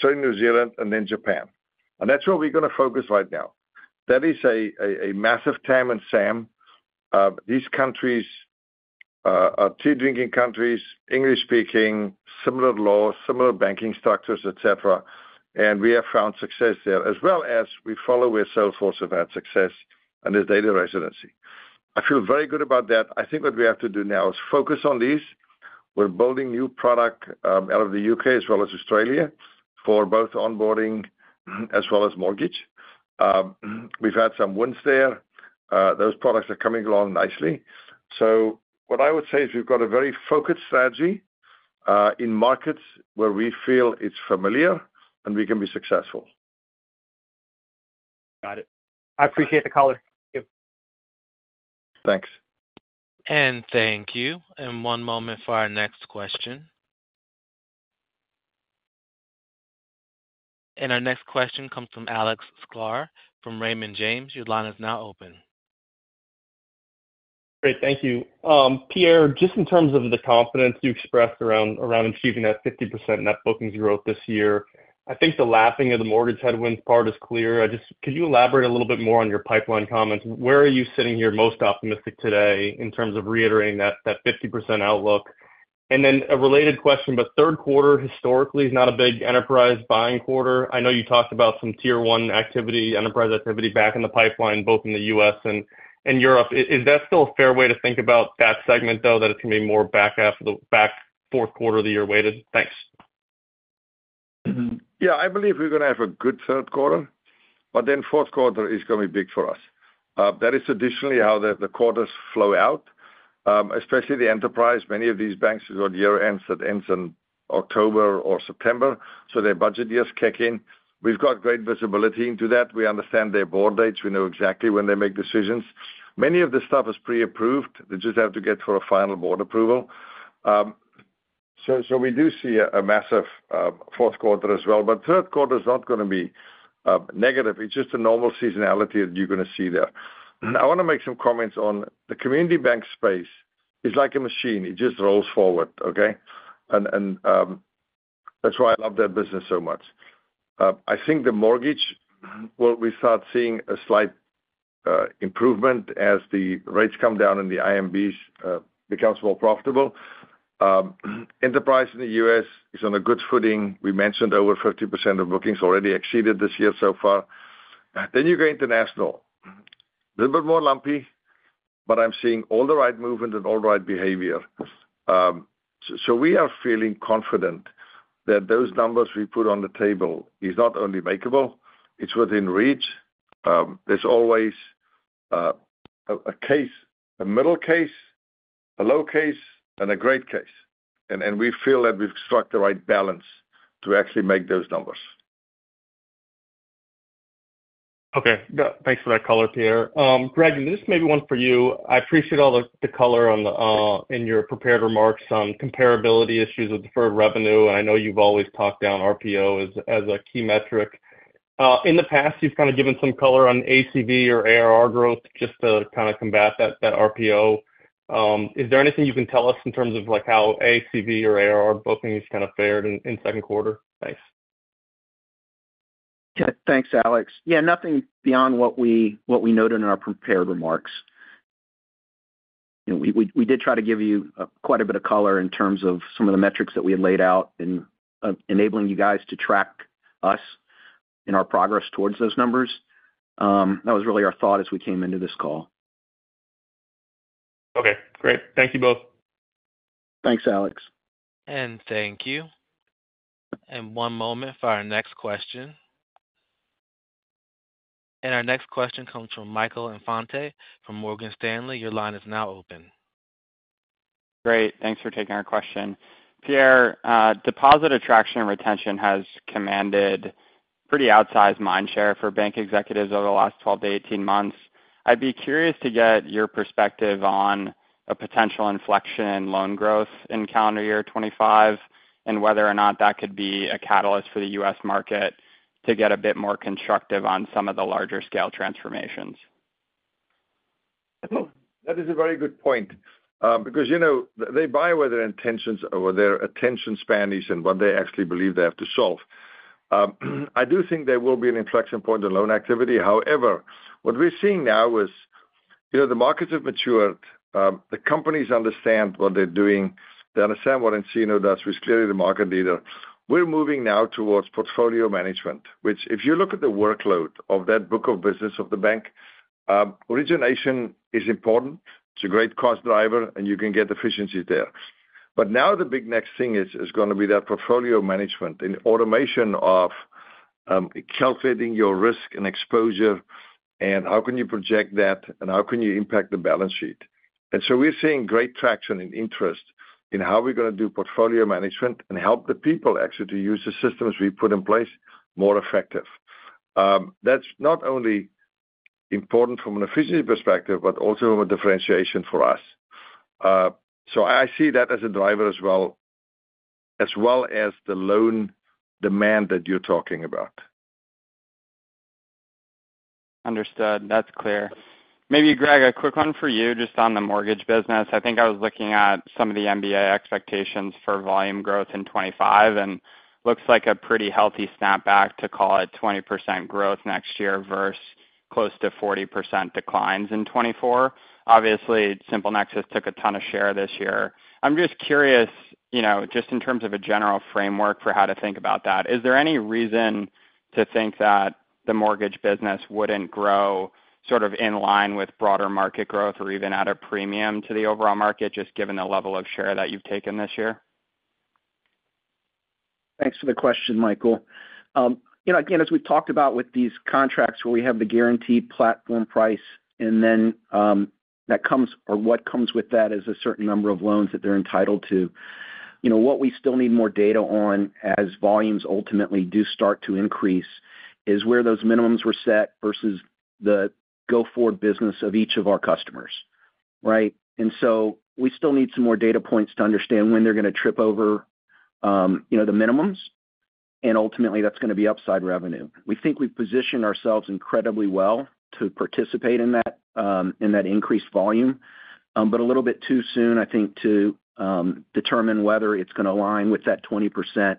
So New Zealand and then Japan. And that's where we're gonna focus right now. That is a massive TAM and SAM. These countries are tea-drinking countries, English-speaking, similar laws, similar banking structures, et cetera, and we have found success there, as well as we follow with Salesforce have had success and the data residency. I feel very good about that. I think what we have to do now is focus on these. We're building new product out of the UK as well as Australia for both onboarding as well as mortgage. We've had some wins there. Those products are coming along nicely. So what I would say is we've got a very focused strategy in markets where we feel it's familiar and we can be successful. Got it. I appreciate the call. Thank you. Thanks. And thank you. And one moment for our next question. And our next question comes from Alex Sklar from Raymond James. Your line is now open. Great. Thank you. Pierre, just in terms of the confidence you expressed around achieving that 50% net bookings growth this year, I think the laughing off the mortgage headwinds part is clear. Could you elaborate a little bit more on your pipeline comments? Where are you sitting here most optimistic today in terms of reiterating that 50% outlook? And then a related question, but third quarter historically is not a big enterprise buying quarter. I know you talked about some tier one activity, enterprise activity back in the pipeline, both in the U.S. and Europe. Is that still a fair way to think about that segment, though, that it's going to be more back half of the back fourth quarter of the year weighted? Thanks. Yeah, I believe we're gonna have a good third quarter, but then fourth quarter is gonna be big for us. That is traditionally how the quarters flow out, especially the enterprise. Many of these banks have got year ends that ends in October or September, so their budget years kick in. We've got great visibility into that. We understand their board dates. We know exactly when they make decisions. Many of the stuff is pre-approved. They just have to get for a final board approval. So we do see a massive fourth quarter as well, but third quarter is not gonna be negative. It's just a normal seasonality that you're gonna see there. And I wanna make some comments on the community bank space. It's like a machine. It just rolls forward, okay? That's why I love that business so much. I think the mortgage, where we start seeing a slight improvement as the rates come down and the IMBs becomes more profitable. Enterprise in the U.S. is on a good footing. We mentioned over 50% of bookings already exceeded this year so far. Then you go international. A little bit more lumpy, but I'm seeing all the right movement and all the right behavior. So we are feeling confident that those numbers we put on the table is not only makeable, it's within reach. There's always a case, a middle case, a low case, and a great case. And we feel that we've struck the right balance to actually make those numbers. Okay. Thanks for that color, Pierre. Greg, and this may be one for you. I appreciate all the color in your prepared remarks on comparability issues with deferred revenue, and I know you've always talked down RPO as a key metric. In the past, you've kind of given some color on ACV or ARR growth, just to kind of combat that RPO. Is there anything you can tell us in terms of, like, how ACV or ARR booking has kind of fared in second quarter? Thanks. Yeah. Thanks, Alex. Yeah, nothing beyond what we noted in our prepared remarks. You know, we did try to give you quite a bit of color in terms of some of the metrics that we had laid out in enabling you guys to track us in our progress towards those numbers. That was really our thought as we came into this call. Okay, great. Thank you both. Thanks, Alex. Thank you. One moment for our next question. Our next question comes from Michael Infante from Morgan Stanley. Your line is now open. Great. Thanks for taking our question. Pierre, deposit attraction and retention has commanded pretty outsized mind share for bank executives over the last twelve to eighteen months. I'd be curious to get your perspective on a potential inflection in loan growth in calendar year twenty-five, and whether or not that could be a catalyst for the U.S. market to get a bit more constructive on some of the larger scale transformations. That is a very good point. Because, you know, they buy where their intentions or where their attention span is and what they actually believe they have to solve. I do think there will be an inflection point in loan activity. However, what we're seeing now is, you know, the markets have matured, the companies understand what they're doing. They understand what nCino does. We're clearly the market leader. We're moving now towards portfolio management, which if you look at the workload of that book of business of the bank, origination is important. It's a great cost driver, and you can get efficiency there. But now the big next thing is gonna be that portfolio management and automation of, calculating your risk and exposure, and how can you project that and how can you impact the balance sheet? And so we're seeing great traction and interest in how we're gonna do portfolio management and help the people actually to use the systems we put in place more effective. That's not only important from an efficiency perspective, but also a differentiation for us. So I see that as a driver as well, as well as the loan demand that you're talking about. Understood. That's clear. Maybe, Greg, a quick one for you, just on the mortgage business. I think I was looking at some of the MBA expectations for volume growth in 2025, and looks like a pretty healthy snapback to call it 20% growth next year versus close to 40% declines in 2024. Obviously, SimpleNexus took a ton of share this year. I'm just curious, you know, just in terms of a general framework for how to think about that, is there any reason to think that the mortgage business wouldn't grow sort of in line with broader market growth or even at a premium to the overall market, just given the level of share that you've taken this year? Thanks for the question, Michael. You know, again, as we've talked about with these contracts, where we have the guaranteed platform price and then, that comes or what comes with that is a certain number of loans that they're entitled to. You know, what we still need more data on, as volumes ultimately do start to increase, is where those minimums were set versus the go-forward business of each of our customers, right? And so we still need some more data points to understand when they're gonna trip over, you know, the minimums, and ultimately, that's gonna be upside revenue. We think we've positioned ourselves incredibly well to participate in that, in that increased volume, but a little bit too soon, I think, to determine whether it's gonna align with that 20%,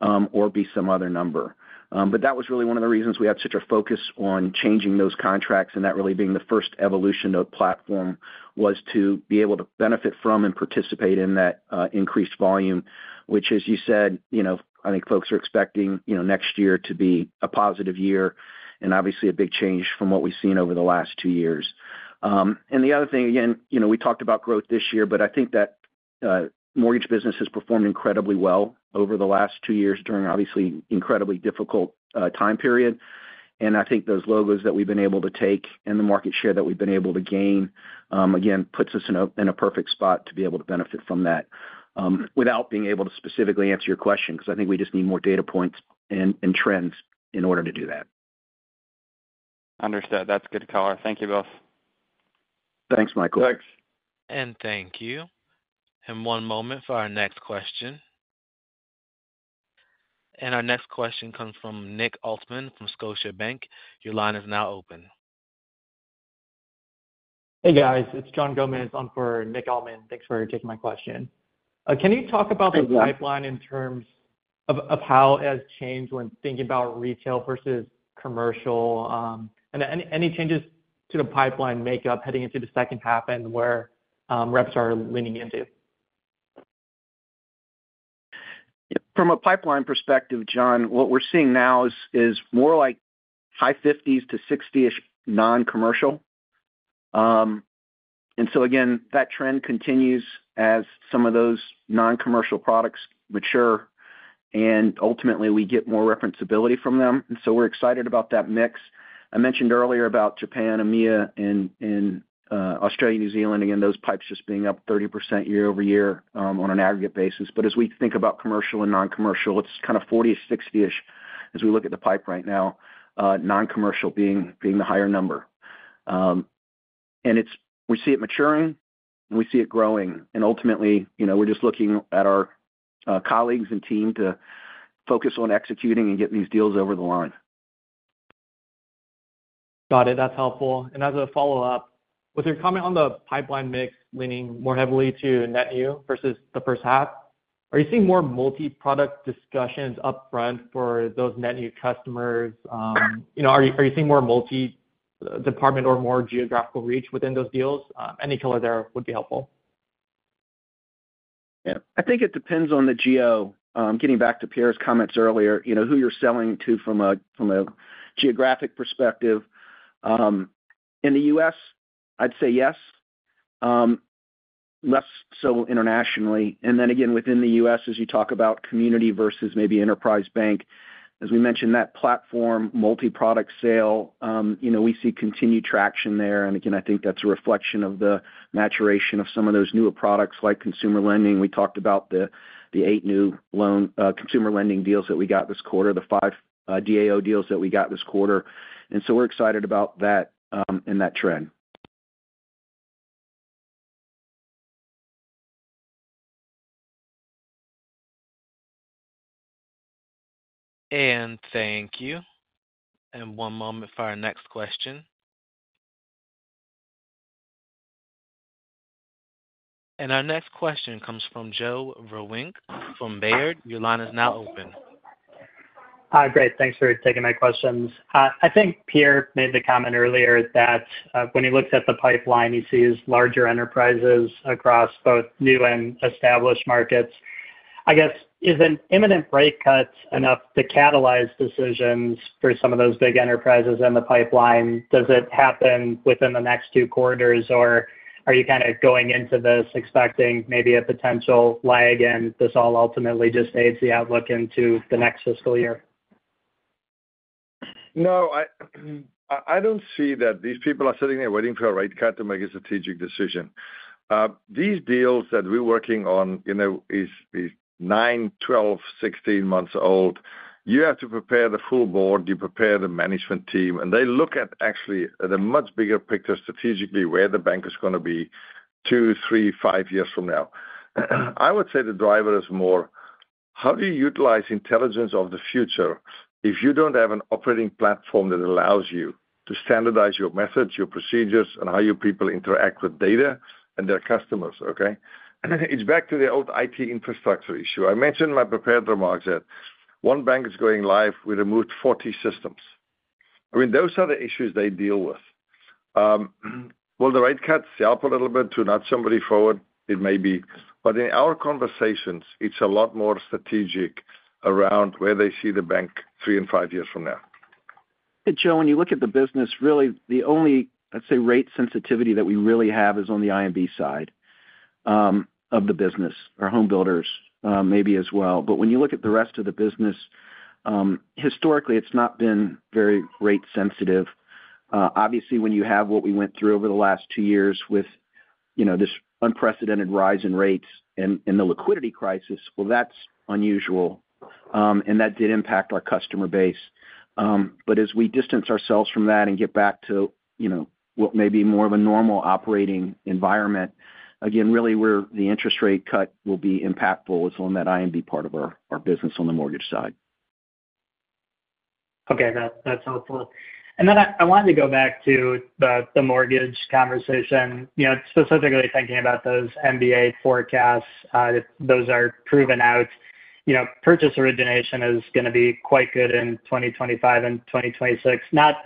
or be some other number. But that was really one of the reasons we had such a focus on changing those contracts, and that really being the first evolution of platform, was to be able to benefit from and participate in that increased volume, which, as you said, you know, I think folks are expecting, you know, next year to be a positive year and obviously a big change from what we've seen over the last two years. And the other thing, again, you know, we talked about growth this year, but I think that mortgage business has performed incredibly well over the last two years during obviously incredibly difficult time period. I think those logos that we've been able to take and the market share that we've been able to gain, again, puts us in a perfect spot to be able to benefit from that, without being able to specifically answer your question, because I think we just need more data points and trends in order to do that. Understood. That's good color. Thank you, both. Thanks, Michael. Thanks. Thank you. One moment for our next question. Our next question comes from Nick Altman from Scotiabank. Your line is now open. Hey, guys, it's John Gomez on for Nick Altman. Thanks for taking my question. Can you talk about the pipeline in terms of how it has changed when thinking about retail versus commercial? And any changes to the pipeline makeup heading into the second half and where reps are leaning into? From a pipeline perspective, John, what we're seeing now is more like high fifties to sixty-ish non-commercial. And so again, that trend continues as some of those non-commercial products mature, and ultimately we get more referenceability from them. And so we're excited about that mix. I mentioned earlier about Japan, EMEA, and Australia, New Zealand, again, those pipes just being up 30% year-over-year, on an aggregate basis. But as we think about commercial and non-commercial, it's kind of 40 to sixty-ish as we look at the pipe right now, non-commercial being the higher number. And it's, we see it maturing, and we see it growing. And ultimately, you know, we're just looking at our colleagues and team to focus on executing and getting these deals over the line. Got it. That's helpful. And as a follow-up, with your comment on the pipeline mix leaning more heavily to net new versus the first half, are you seeing more multi-product discussions upfront for those net new customers? You know, are you seeing more multi-department or more geographical reach within those deals? Any color there would be helpful. Yeah. I think it depends on the geo. Getting back to Pierre's comments earlier, you know, who you're selling to from a, from a geographic perspective. In the US, I'd say yes, less so internationally. And then again, within the US, as you talk about community versus maybe enterprise bank, as we mentioned, that platform, multi-product sale, you know, we see continued traction there. And again, I think that's a reflection of the maturation of some of those newer products like consumer lending. We talked about the eight new loan consumer lending deals that we got this quarter, the five DAO deals that we got this quarter. And so we're excited about that, and that trend. Thank you. One moment for our next question. Our next question comes from Joe Vruwink from Baird. Your line is now open. Hi, great. Thanks for taking my questions. I think Pierre made the comment earlier that, when he looks at the pipeline, he sees larger enterprises across both new and established markets. I guess, is an imminent rate cut enough to catalyze decisions for some of those big enterprises in the pipeline? Does it happen within the next two quarters, or are you kind of going into this expecting maybe a potential lag, and this all ultimately just aids the outlook into the next fiscal year? No, I don't see that these people are sitting there waiting for a rate cut to make a strategic decision. These deals that we're working on, you know, is nine, twelve, sixteen months old. You have to prepare the full board, you prepare the management team, and they look at actually the much bigger picture strategically, where the bank is gonna be two, three, five years from now. I would say the driver is more, how do you utilize intelligence of the future if you don't have an operating platform that allows you to standardize your methods, your procedures, and how your people interact with data and their customers, okay? It's back to the old IT infrastructure issue. I mentioned in my prepared remarks that one bank is going live with a move to 40 systems. I mean, those are the issues they deal with. Will the rate cuts help a little bit to nudge somebody forward? It may be. But in our conversations, it's a lot more strategic around where they see the bank three and five years from now. And Joe, when you look at the business, really the only, I'd say, rate sensitivity that we really have is on the IMB side of the business, our home builders, maybe as well. But when you look at the rest of the business, historically, it's not been very rate sensitive. Obviously, when you have what we went through over the last two years with, you know, this unprecedented rise in rates and, and the liquidity crisis, well, that's unusual, and that did impact our customer base. But as we distance ourselves from that and get back to, you know, what may be more of a normal operating environment, again, really where the interest rate cut will be impactful is on that IMB part of our, our business on the mortgage side. Okay, that's helpful. And then I wanted to go back to the mortgage conversation, you know, specifically thinking about those MBA forecasts, those are proven out. You know, purchase origination is gonna be quite good in 2025 and 2026, not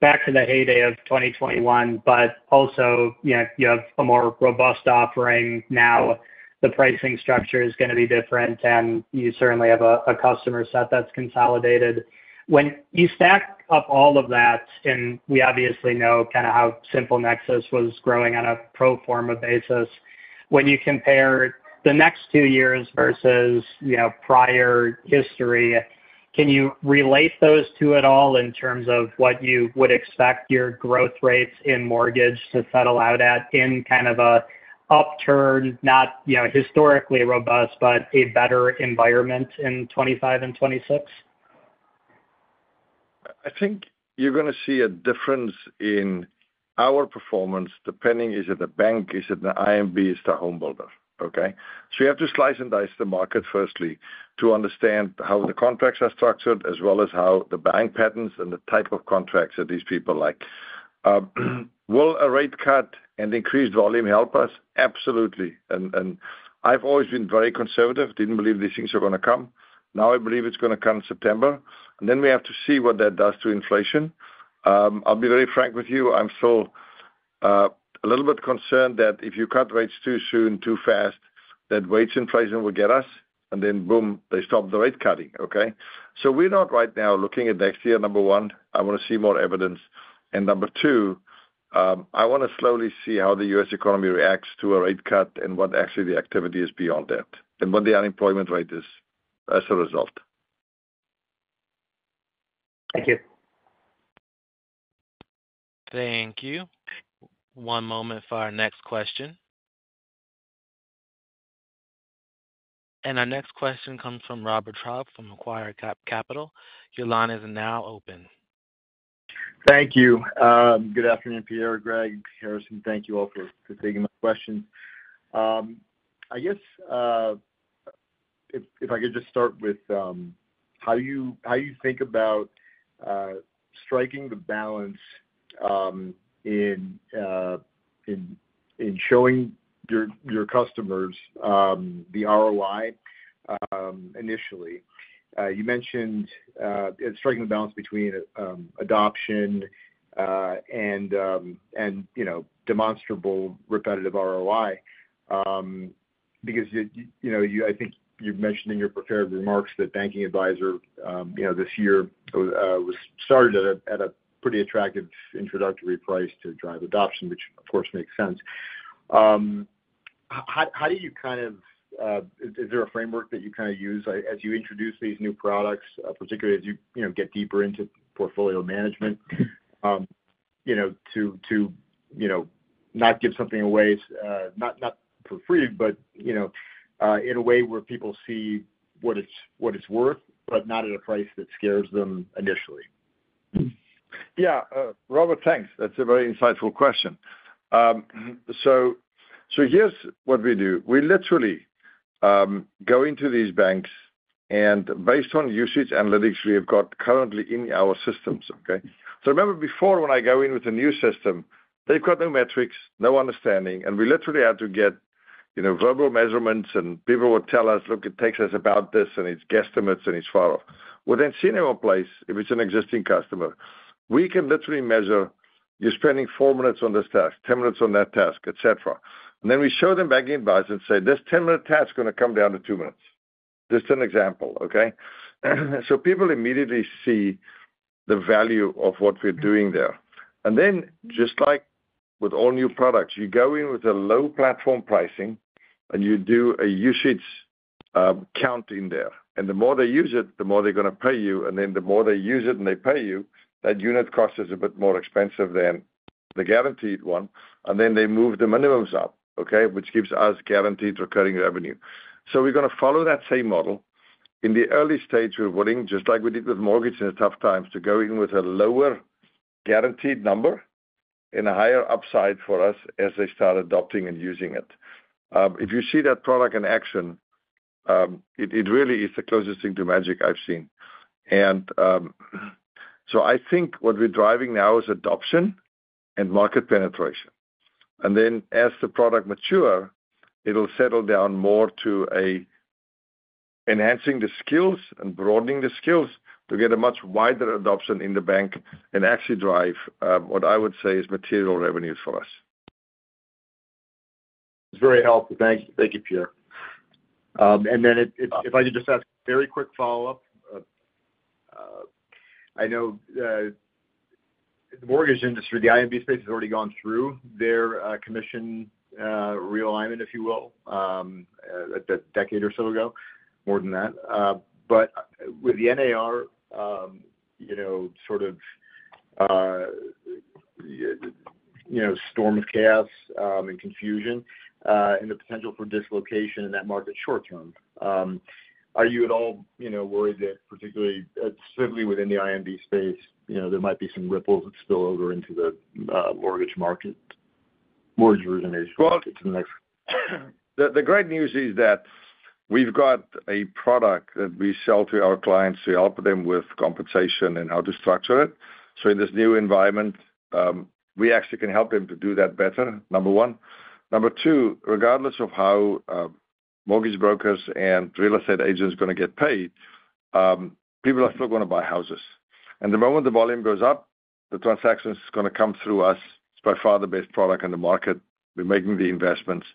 back to the heyday of 2021, but also, you know, you have a more robust offering now. The pricing structure is gonna be different, and you certainly have a customer set that's consolidated. When you stack up all of that, and we obviously know kind of how SimpleNexus was growing on a pro forma basis, when you compare the next two years versus, you know, prior history, can you relate those two at all in terms of what you would expect your growth rates in mortgage to settle out at in kind of a upturn, not, you know, historically robust, but a better environment in 2025 and 2026? I think you're gonna see a difference in our performance, depending, is it a bank, is it an IMB, is it a home builder, okay? So you have to slice and dice the market firstly to understand how the contracts are structured, as well as how the buying patterns and the type of contracts that these people like. Will a rate cut and increased volume help us? Absolutely, and I've always been very conservative, didn't believe these things were gonna come. Now I believe it's gonna come September, and then we have to see what that does to inflation. I'll be very frank with you, I'm still a little bit concerned that if you cut rates too soon, too fast, that wage inflation will get us, and then boom, they stop the rate cutting, okay? So we're not right now looking at next year, number one, I wanna see more evidence. And number two, I wanna slowly see how the U.S. economy reacts to a rate cut and what actually the activity is beyond that, and what the unemployment rate is as a result. Thank you. Thank you. One moment for our next question. And our next question comes from Robert Trout, from Macquarie Capital. Your line is now open. Thank you. Good afternoon, Pierre, Greg, Harrison, thank you all for taking my question. I guess, if I could just start with, how you think about, striking the balance, in showing your customers, the ROI, initially. You mentioned, striking the balance between, adoption, and, you know, demonstrable repetitive ROI, because you know, I think you've mentioned in your prepared remarks that Banking Advisor, you know, this year, was started at a pretty attractive introductory price to drive adoption, which of course, makes sense. How do you kind of, is there a framework that you kind of use as you introduce these new products, particularly as you, you know, get deeper into portfolio management, you know, to, you know, not give something away, not for free, but, you know, in a way where people see what it's worth, but not at a price that scares them initially? Yeah. Robert, thanks. That's a very insightful question. So, here's what we do. We literally go into these banks, and based on usage analytics we have got currently in our systems, okay? So remember before, when I go in with a new system, they've got no metrics, no understanding, and we literally have to get, you know, verbal measurements, and people will tell us, "Look, it takes us about this," and it's guesstimates, and it's far off. With nCino in place, if it's an existing customer, we can literally measure, you're spending four minutes on this task, ten minutes on that task, et cetera. And then we show them Banking Advisor and say, "This ten-minute task is gonna come down to two minutes." Just an example, okay? So people immediately see the value of what we're doing there. And then, just like with all new products, you go in with a low platform pricing, and you do a usage, counting there. And the more they use it, the more they're gonna pay you, and then the more they use it and they pay you, that unit cost is a bit more expensive than the guaranteed one, and then they move the minimums up, okay? Which gives us guaranteed recurring revenue. So we're gonna follow that same model. In the early stage, we're willing, just like we did with mortgage in the tough times, to go in with a lower guaranteed number and a higher upside for us as they start adopting and using it. If you see that product in action, it, it really is the closest thing to magic I've seen. So I think what we're driving now is adoption and market penetration. Then as the product matures, it'll settle down more to enhancing the skills and broadening the skills to get a much wider adoption in the bank and actually drive what I would say is material revenues for us. It's very helpful. Thank you. Thank you, Pierre. And then if I could just ask a very quick follow-up. I know the mortgage industry, the IMB space, has already gone through their commission realignment, if you will, a decade or so ago, more than that. But with the NAR, you know, sort of, you know, storm of chaos and confusion, and the potential for dislocation in that market short term, are you at all, you know, worried that particularly, certainly within the IMB space, you know, there might be some ripples that spill over into the mortgage market? [mortgage origination]. Well, the great news is that we've got a product that we sell to our clients to help them with compensation and how to structure it. So in this new environment, we actually can help them to do that better, number one. Number two, regardless of how mortgage brokers and real estate agents are going to get paid, people are still going to buy houses. And the moment the volume goes up, the transaction is going to come through us. It's by far the best product on the market. We're making the investments.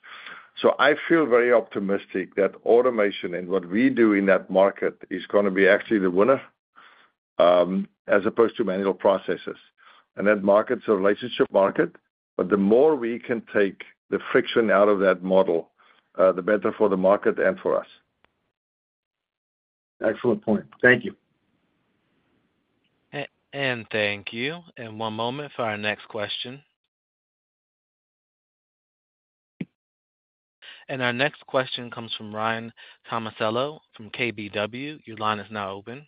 So I feel very optimistic that automation and what we do in that market is going to be actually the winner, as opposed to manual processes. That market's a relationship market, but the more we can take the friction out of that model, the better for the market and for us. Excellent point. Thank you. And thank you. And one moment for our next question. And our next question comes from Ryan Tomasello from KBW. Your line is now open.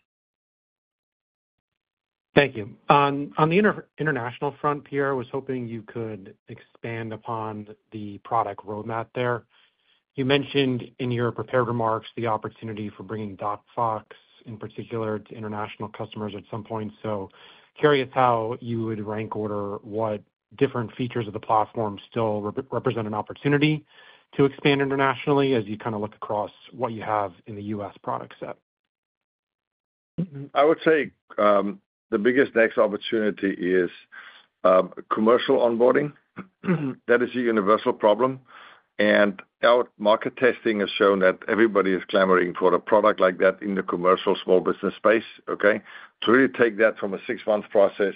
Thank you. On the international front, Pierre, I was hoping you could expand upon the product roadmap there. You mentioned in your prepared remarks the opportunity for bringing DocFox, in particular, to international customers at some point. So curious how you would rank order what different features of the platform still represent an opportunity to expand internationally as you kind of look across what you have in the U.S. product set? I would say, the biggest next opportunity is, Commercial Onboarding. That is a universal problem, and our market testing has shown that everybody is clamoring for a product like that in the commercial small business space, okay? To really take that from a six-month process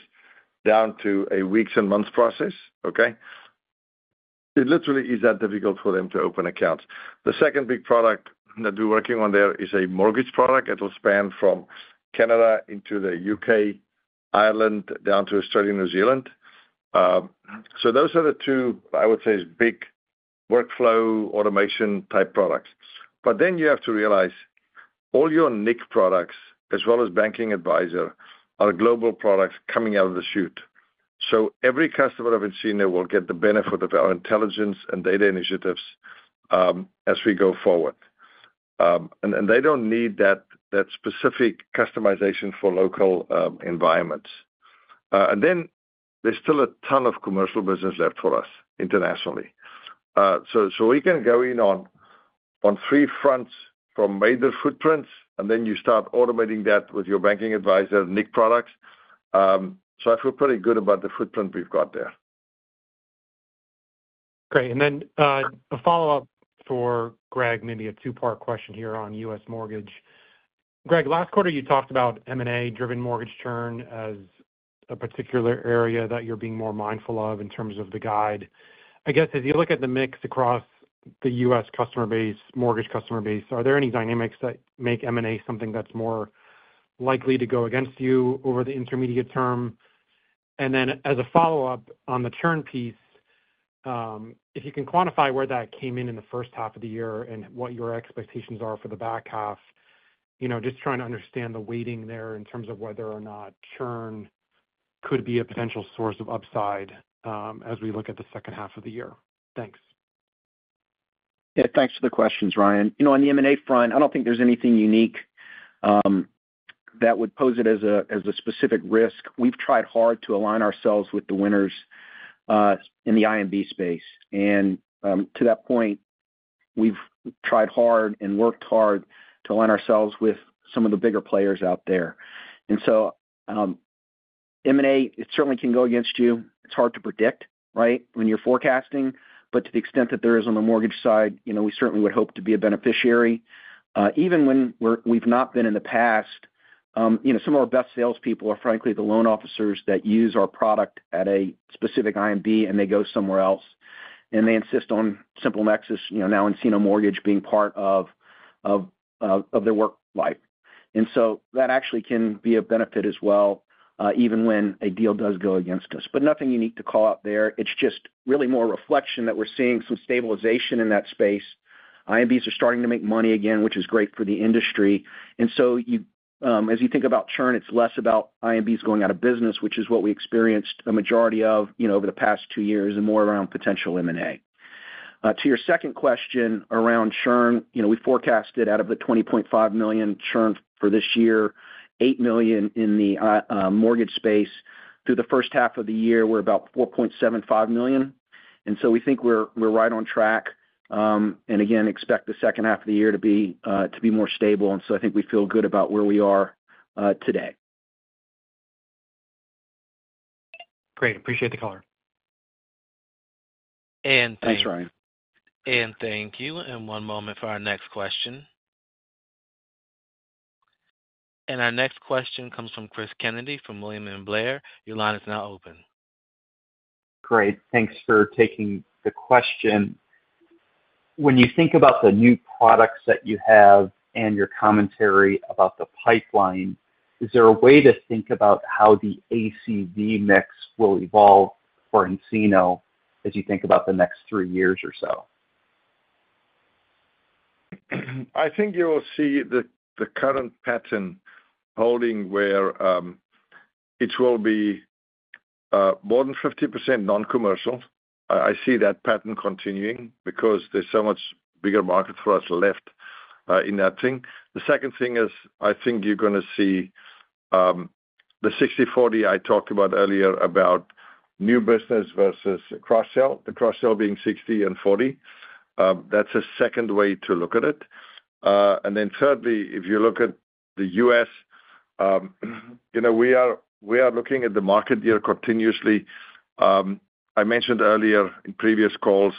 down to a weeks and months process, okay? It literally is that difficult for them to open accounts. The second big product that we're working on there is a mortgage product that will span from Canada into the UK, Ireland, down to Australia, New Zealand. So those are the two, I would say, is big workflow automation-type products. But then you have to realize all your NIC products, as well as Banking Advisor, are global products coming out of the chute. So every customer of nCino will get the benefit of our intelligence and data initiatives, as we go forward. They don't need that specific customization for local environments, and then there's still a ton of commercial business left for us internationally, so we can go in on three fronts from major footprints, and then you start automating that with your banking advisor, NIC products, so I feel pretty good about the footprint we've got there. Great. And then, a follow-up for Greg, maybe a two-part question here on U.S. mortgage. Greg, last quarter, you talked about M&A-driven mortgage churn as a particular area that you're being more mindful of in terms of the guide. I guess, as you look at the mix across the U.S. customer base, mortgage customer base, are there any dynamics that make M&A something that's more likely to go against you over the intermediate term? And then as a follow-up on the churn piece, if you can quantify where that came in in the first half of the year and what your expectations are for the back half, you know, just trying to understand the weighting there in terms of whether or not churn could be a potential source of upside, as we look at the second half of the year. Thanks. Yeah, thanks for the questions, Ryan. You know, on the M&A front, I don't think there's anything unique that would pose it as a specific risk. We've tried hard to align ourselves with the winners in the IMB space. And to that point, we've tried hard and worked hard to align ourselves with some of the bigger players out there. And so, M&A, it certainly can go against you. It's hard to predict, right, when you're forecasting, but to the extent that there is on the mortgage side, you know, we certainly would hope to be a beneficiary. Even when we have not been in the past, you know, some of our best salespeople are frankly the loan officers that use our product at a specific IMB, and they go somewhere else, and they insist on SimpleNexus, you know, now nCino Mortgage being part of their work life. And so that actually can be a benefit as well, even when a deal does go against us. But nothing unique to call out there. It's just really more reflection that we're seeing some stabilization in that space. IMBs are starting to make money again, which is great for the industry. And so you, as you think about churn, it's less about IMBs going out of business, which is what we experienced a majority of, you know, over the past two years, and more around potential M&A. To your second question around churn, you know, we forecasted out of the $20.5 million churn for this year, $8 million in the mortgage space. Through the first half of the year, we're about $4.75 million, and so we think we're right on track, and again, expect the second half of the year to be more stable, and so I think we feel good about where we are today. Great. Appreciate the color. Thanks, Ryan. Thank you. One moment for our next question. Our next question comes from Chris Kennedy from William Blair. Your line is now open. Great. Thanks for taking the question. When you think about the new products that you have and your commentary about the pipeline, is there a way to think about how the ACV mix will evolve for nCino as you think about the next three years or so? I think you will see the current pattern holding where it will be more than 50% non-commercial. I see that pattern continuing because there's so much bigger market for us left in that thing. The second thing is, I think you're gonna see the 60/40 I talked about earlier, about new business versus cross-sell, the cross-sell being 60 and 40. That's a second way to look at it. Then thirdly, if you look at the U.S., you know, we are looking at the market here continuously. I mentioned earlier in previous calls,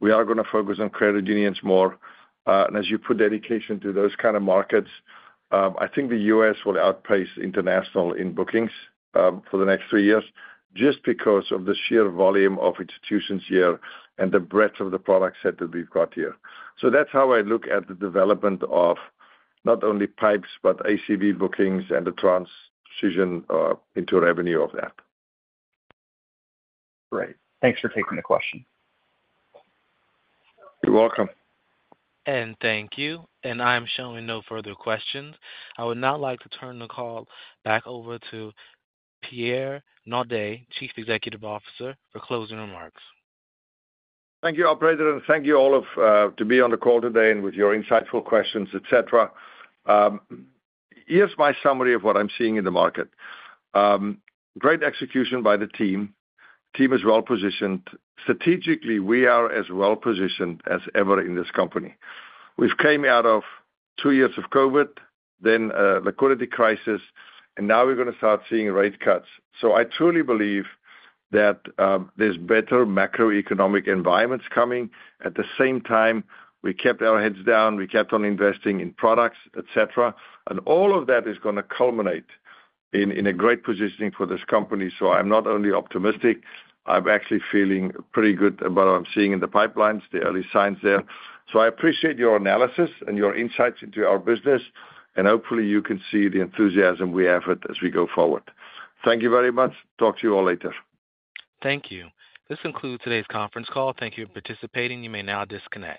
we are gonna focus on credit unions more. And as you put dedication to those kind of markets, I think the U.S. will outpace international in bookings, for the next three years, just because of the sheer volume of institutions here and the breadth of the product set that we've got here. So that's how I look at the development of not only pipelines, but ACV bookings and the transition into revenue of that. Great. Thanks for taking the question. You're welcome. Thank you. I'm showing no further questions. I would now like to turn the call back over to Pierre Naudé, Chief Executive Officer, for closing remarks. Thank you, operator, and thank you all of to be on the call today and with your insightful questions, et cetera. Here's my summary of what I'm seeing in the market. Great execution by the team. Team is well positioned. Strategically, we are as well positioned as ever in this company. We've came out of two years of COVID, then a liquidity crisis, and now we're gonna start seeing rate cuts. So I truly believe that there's better macroeconomic environments coming. At the same time, we kept our heads down, we kept on investing in products, et cetera, and all of that is gonna culminate in a great positioning for this company. So I'm not only optimistic, I'm actually feeling pretty good about what I'm seeing in the pipelines, the early signs there. So I appreciate your analysis and your insights into our business, and hopefully, you can see the enthusiasm we have as we go forward. Thank you very much. Talk to you all later. Thank you. This concludes today's conference call. Thank you for participating. You may now disconnect.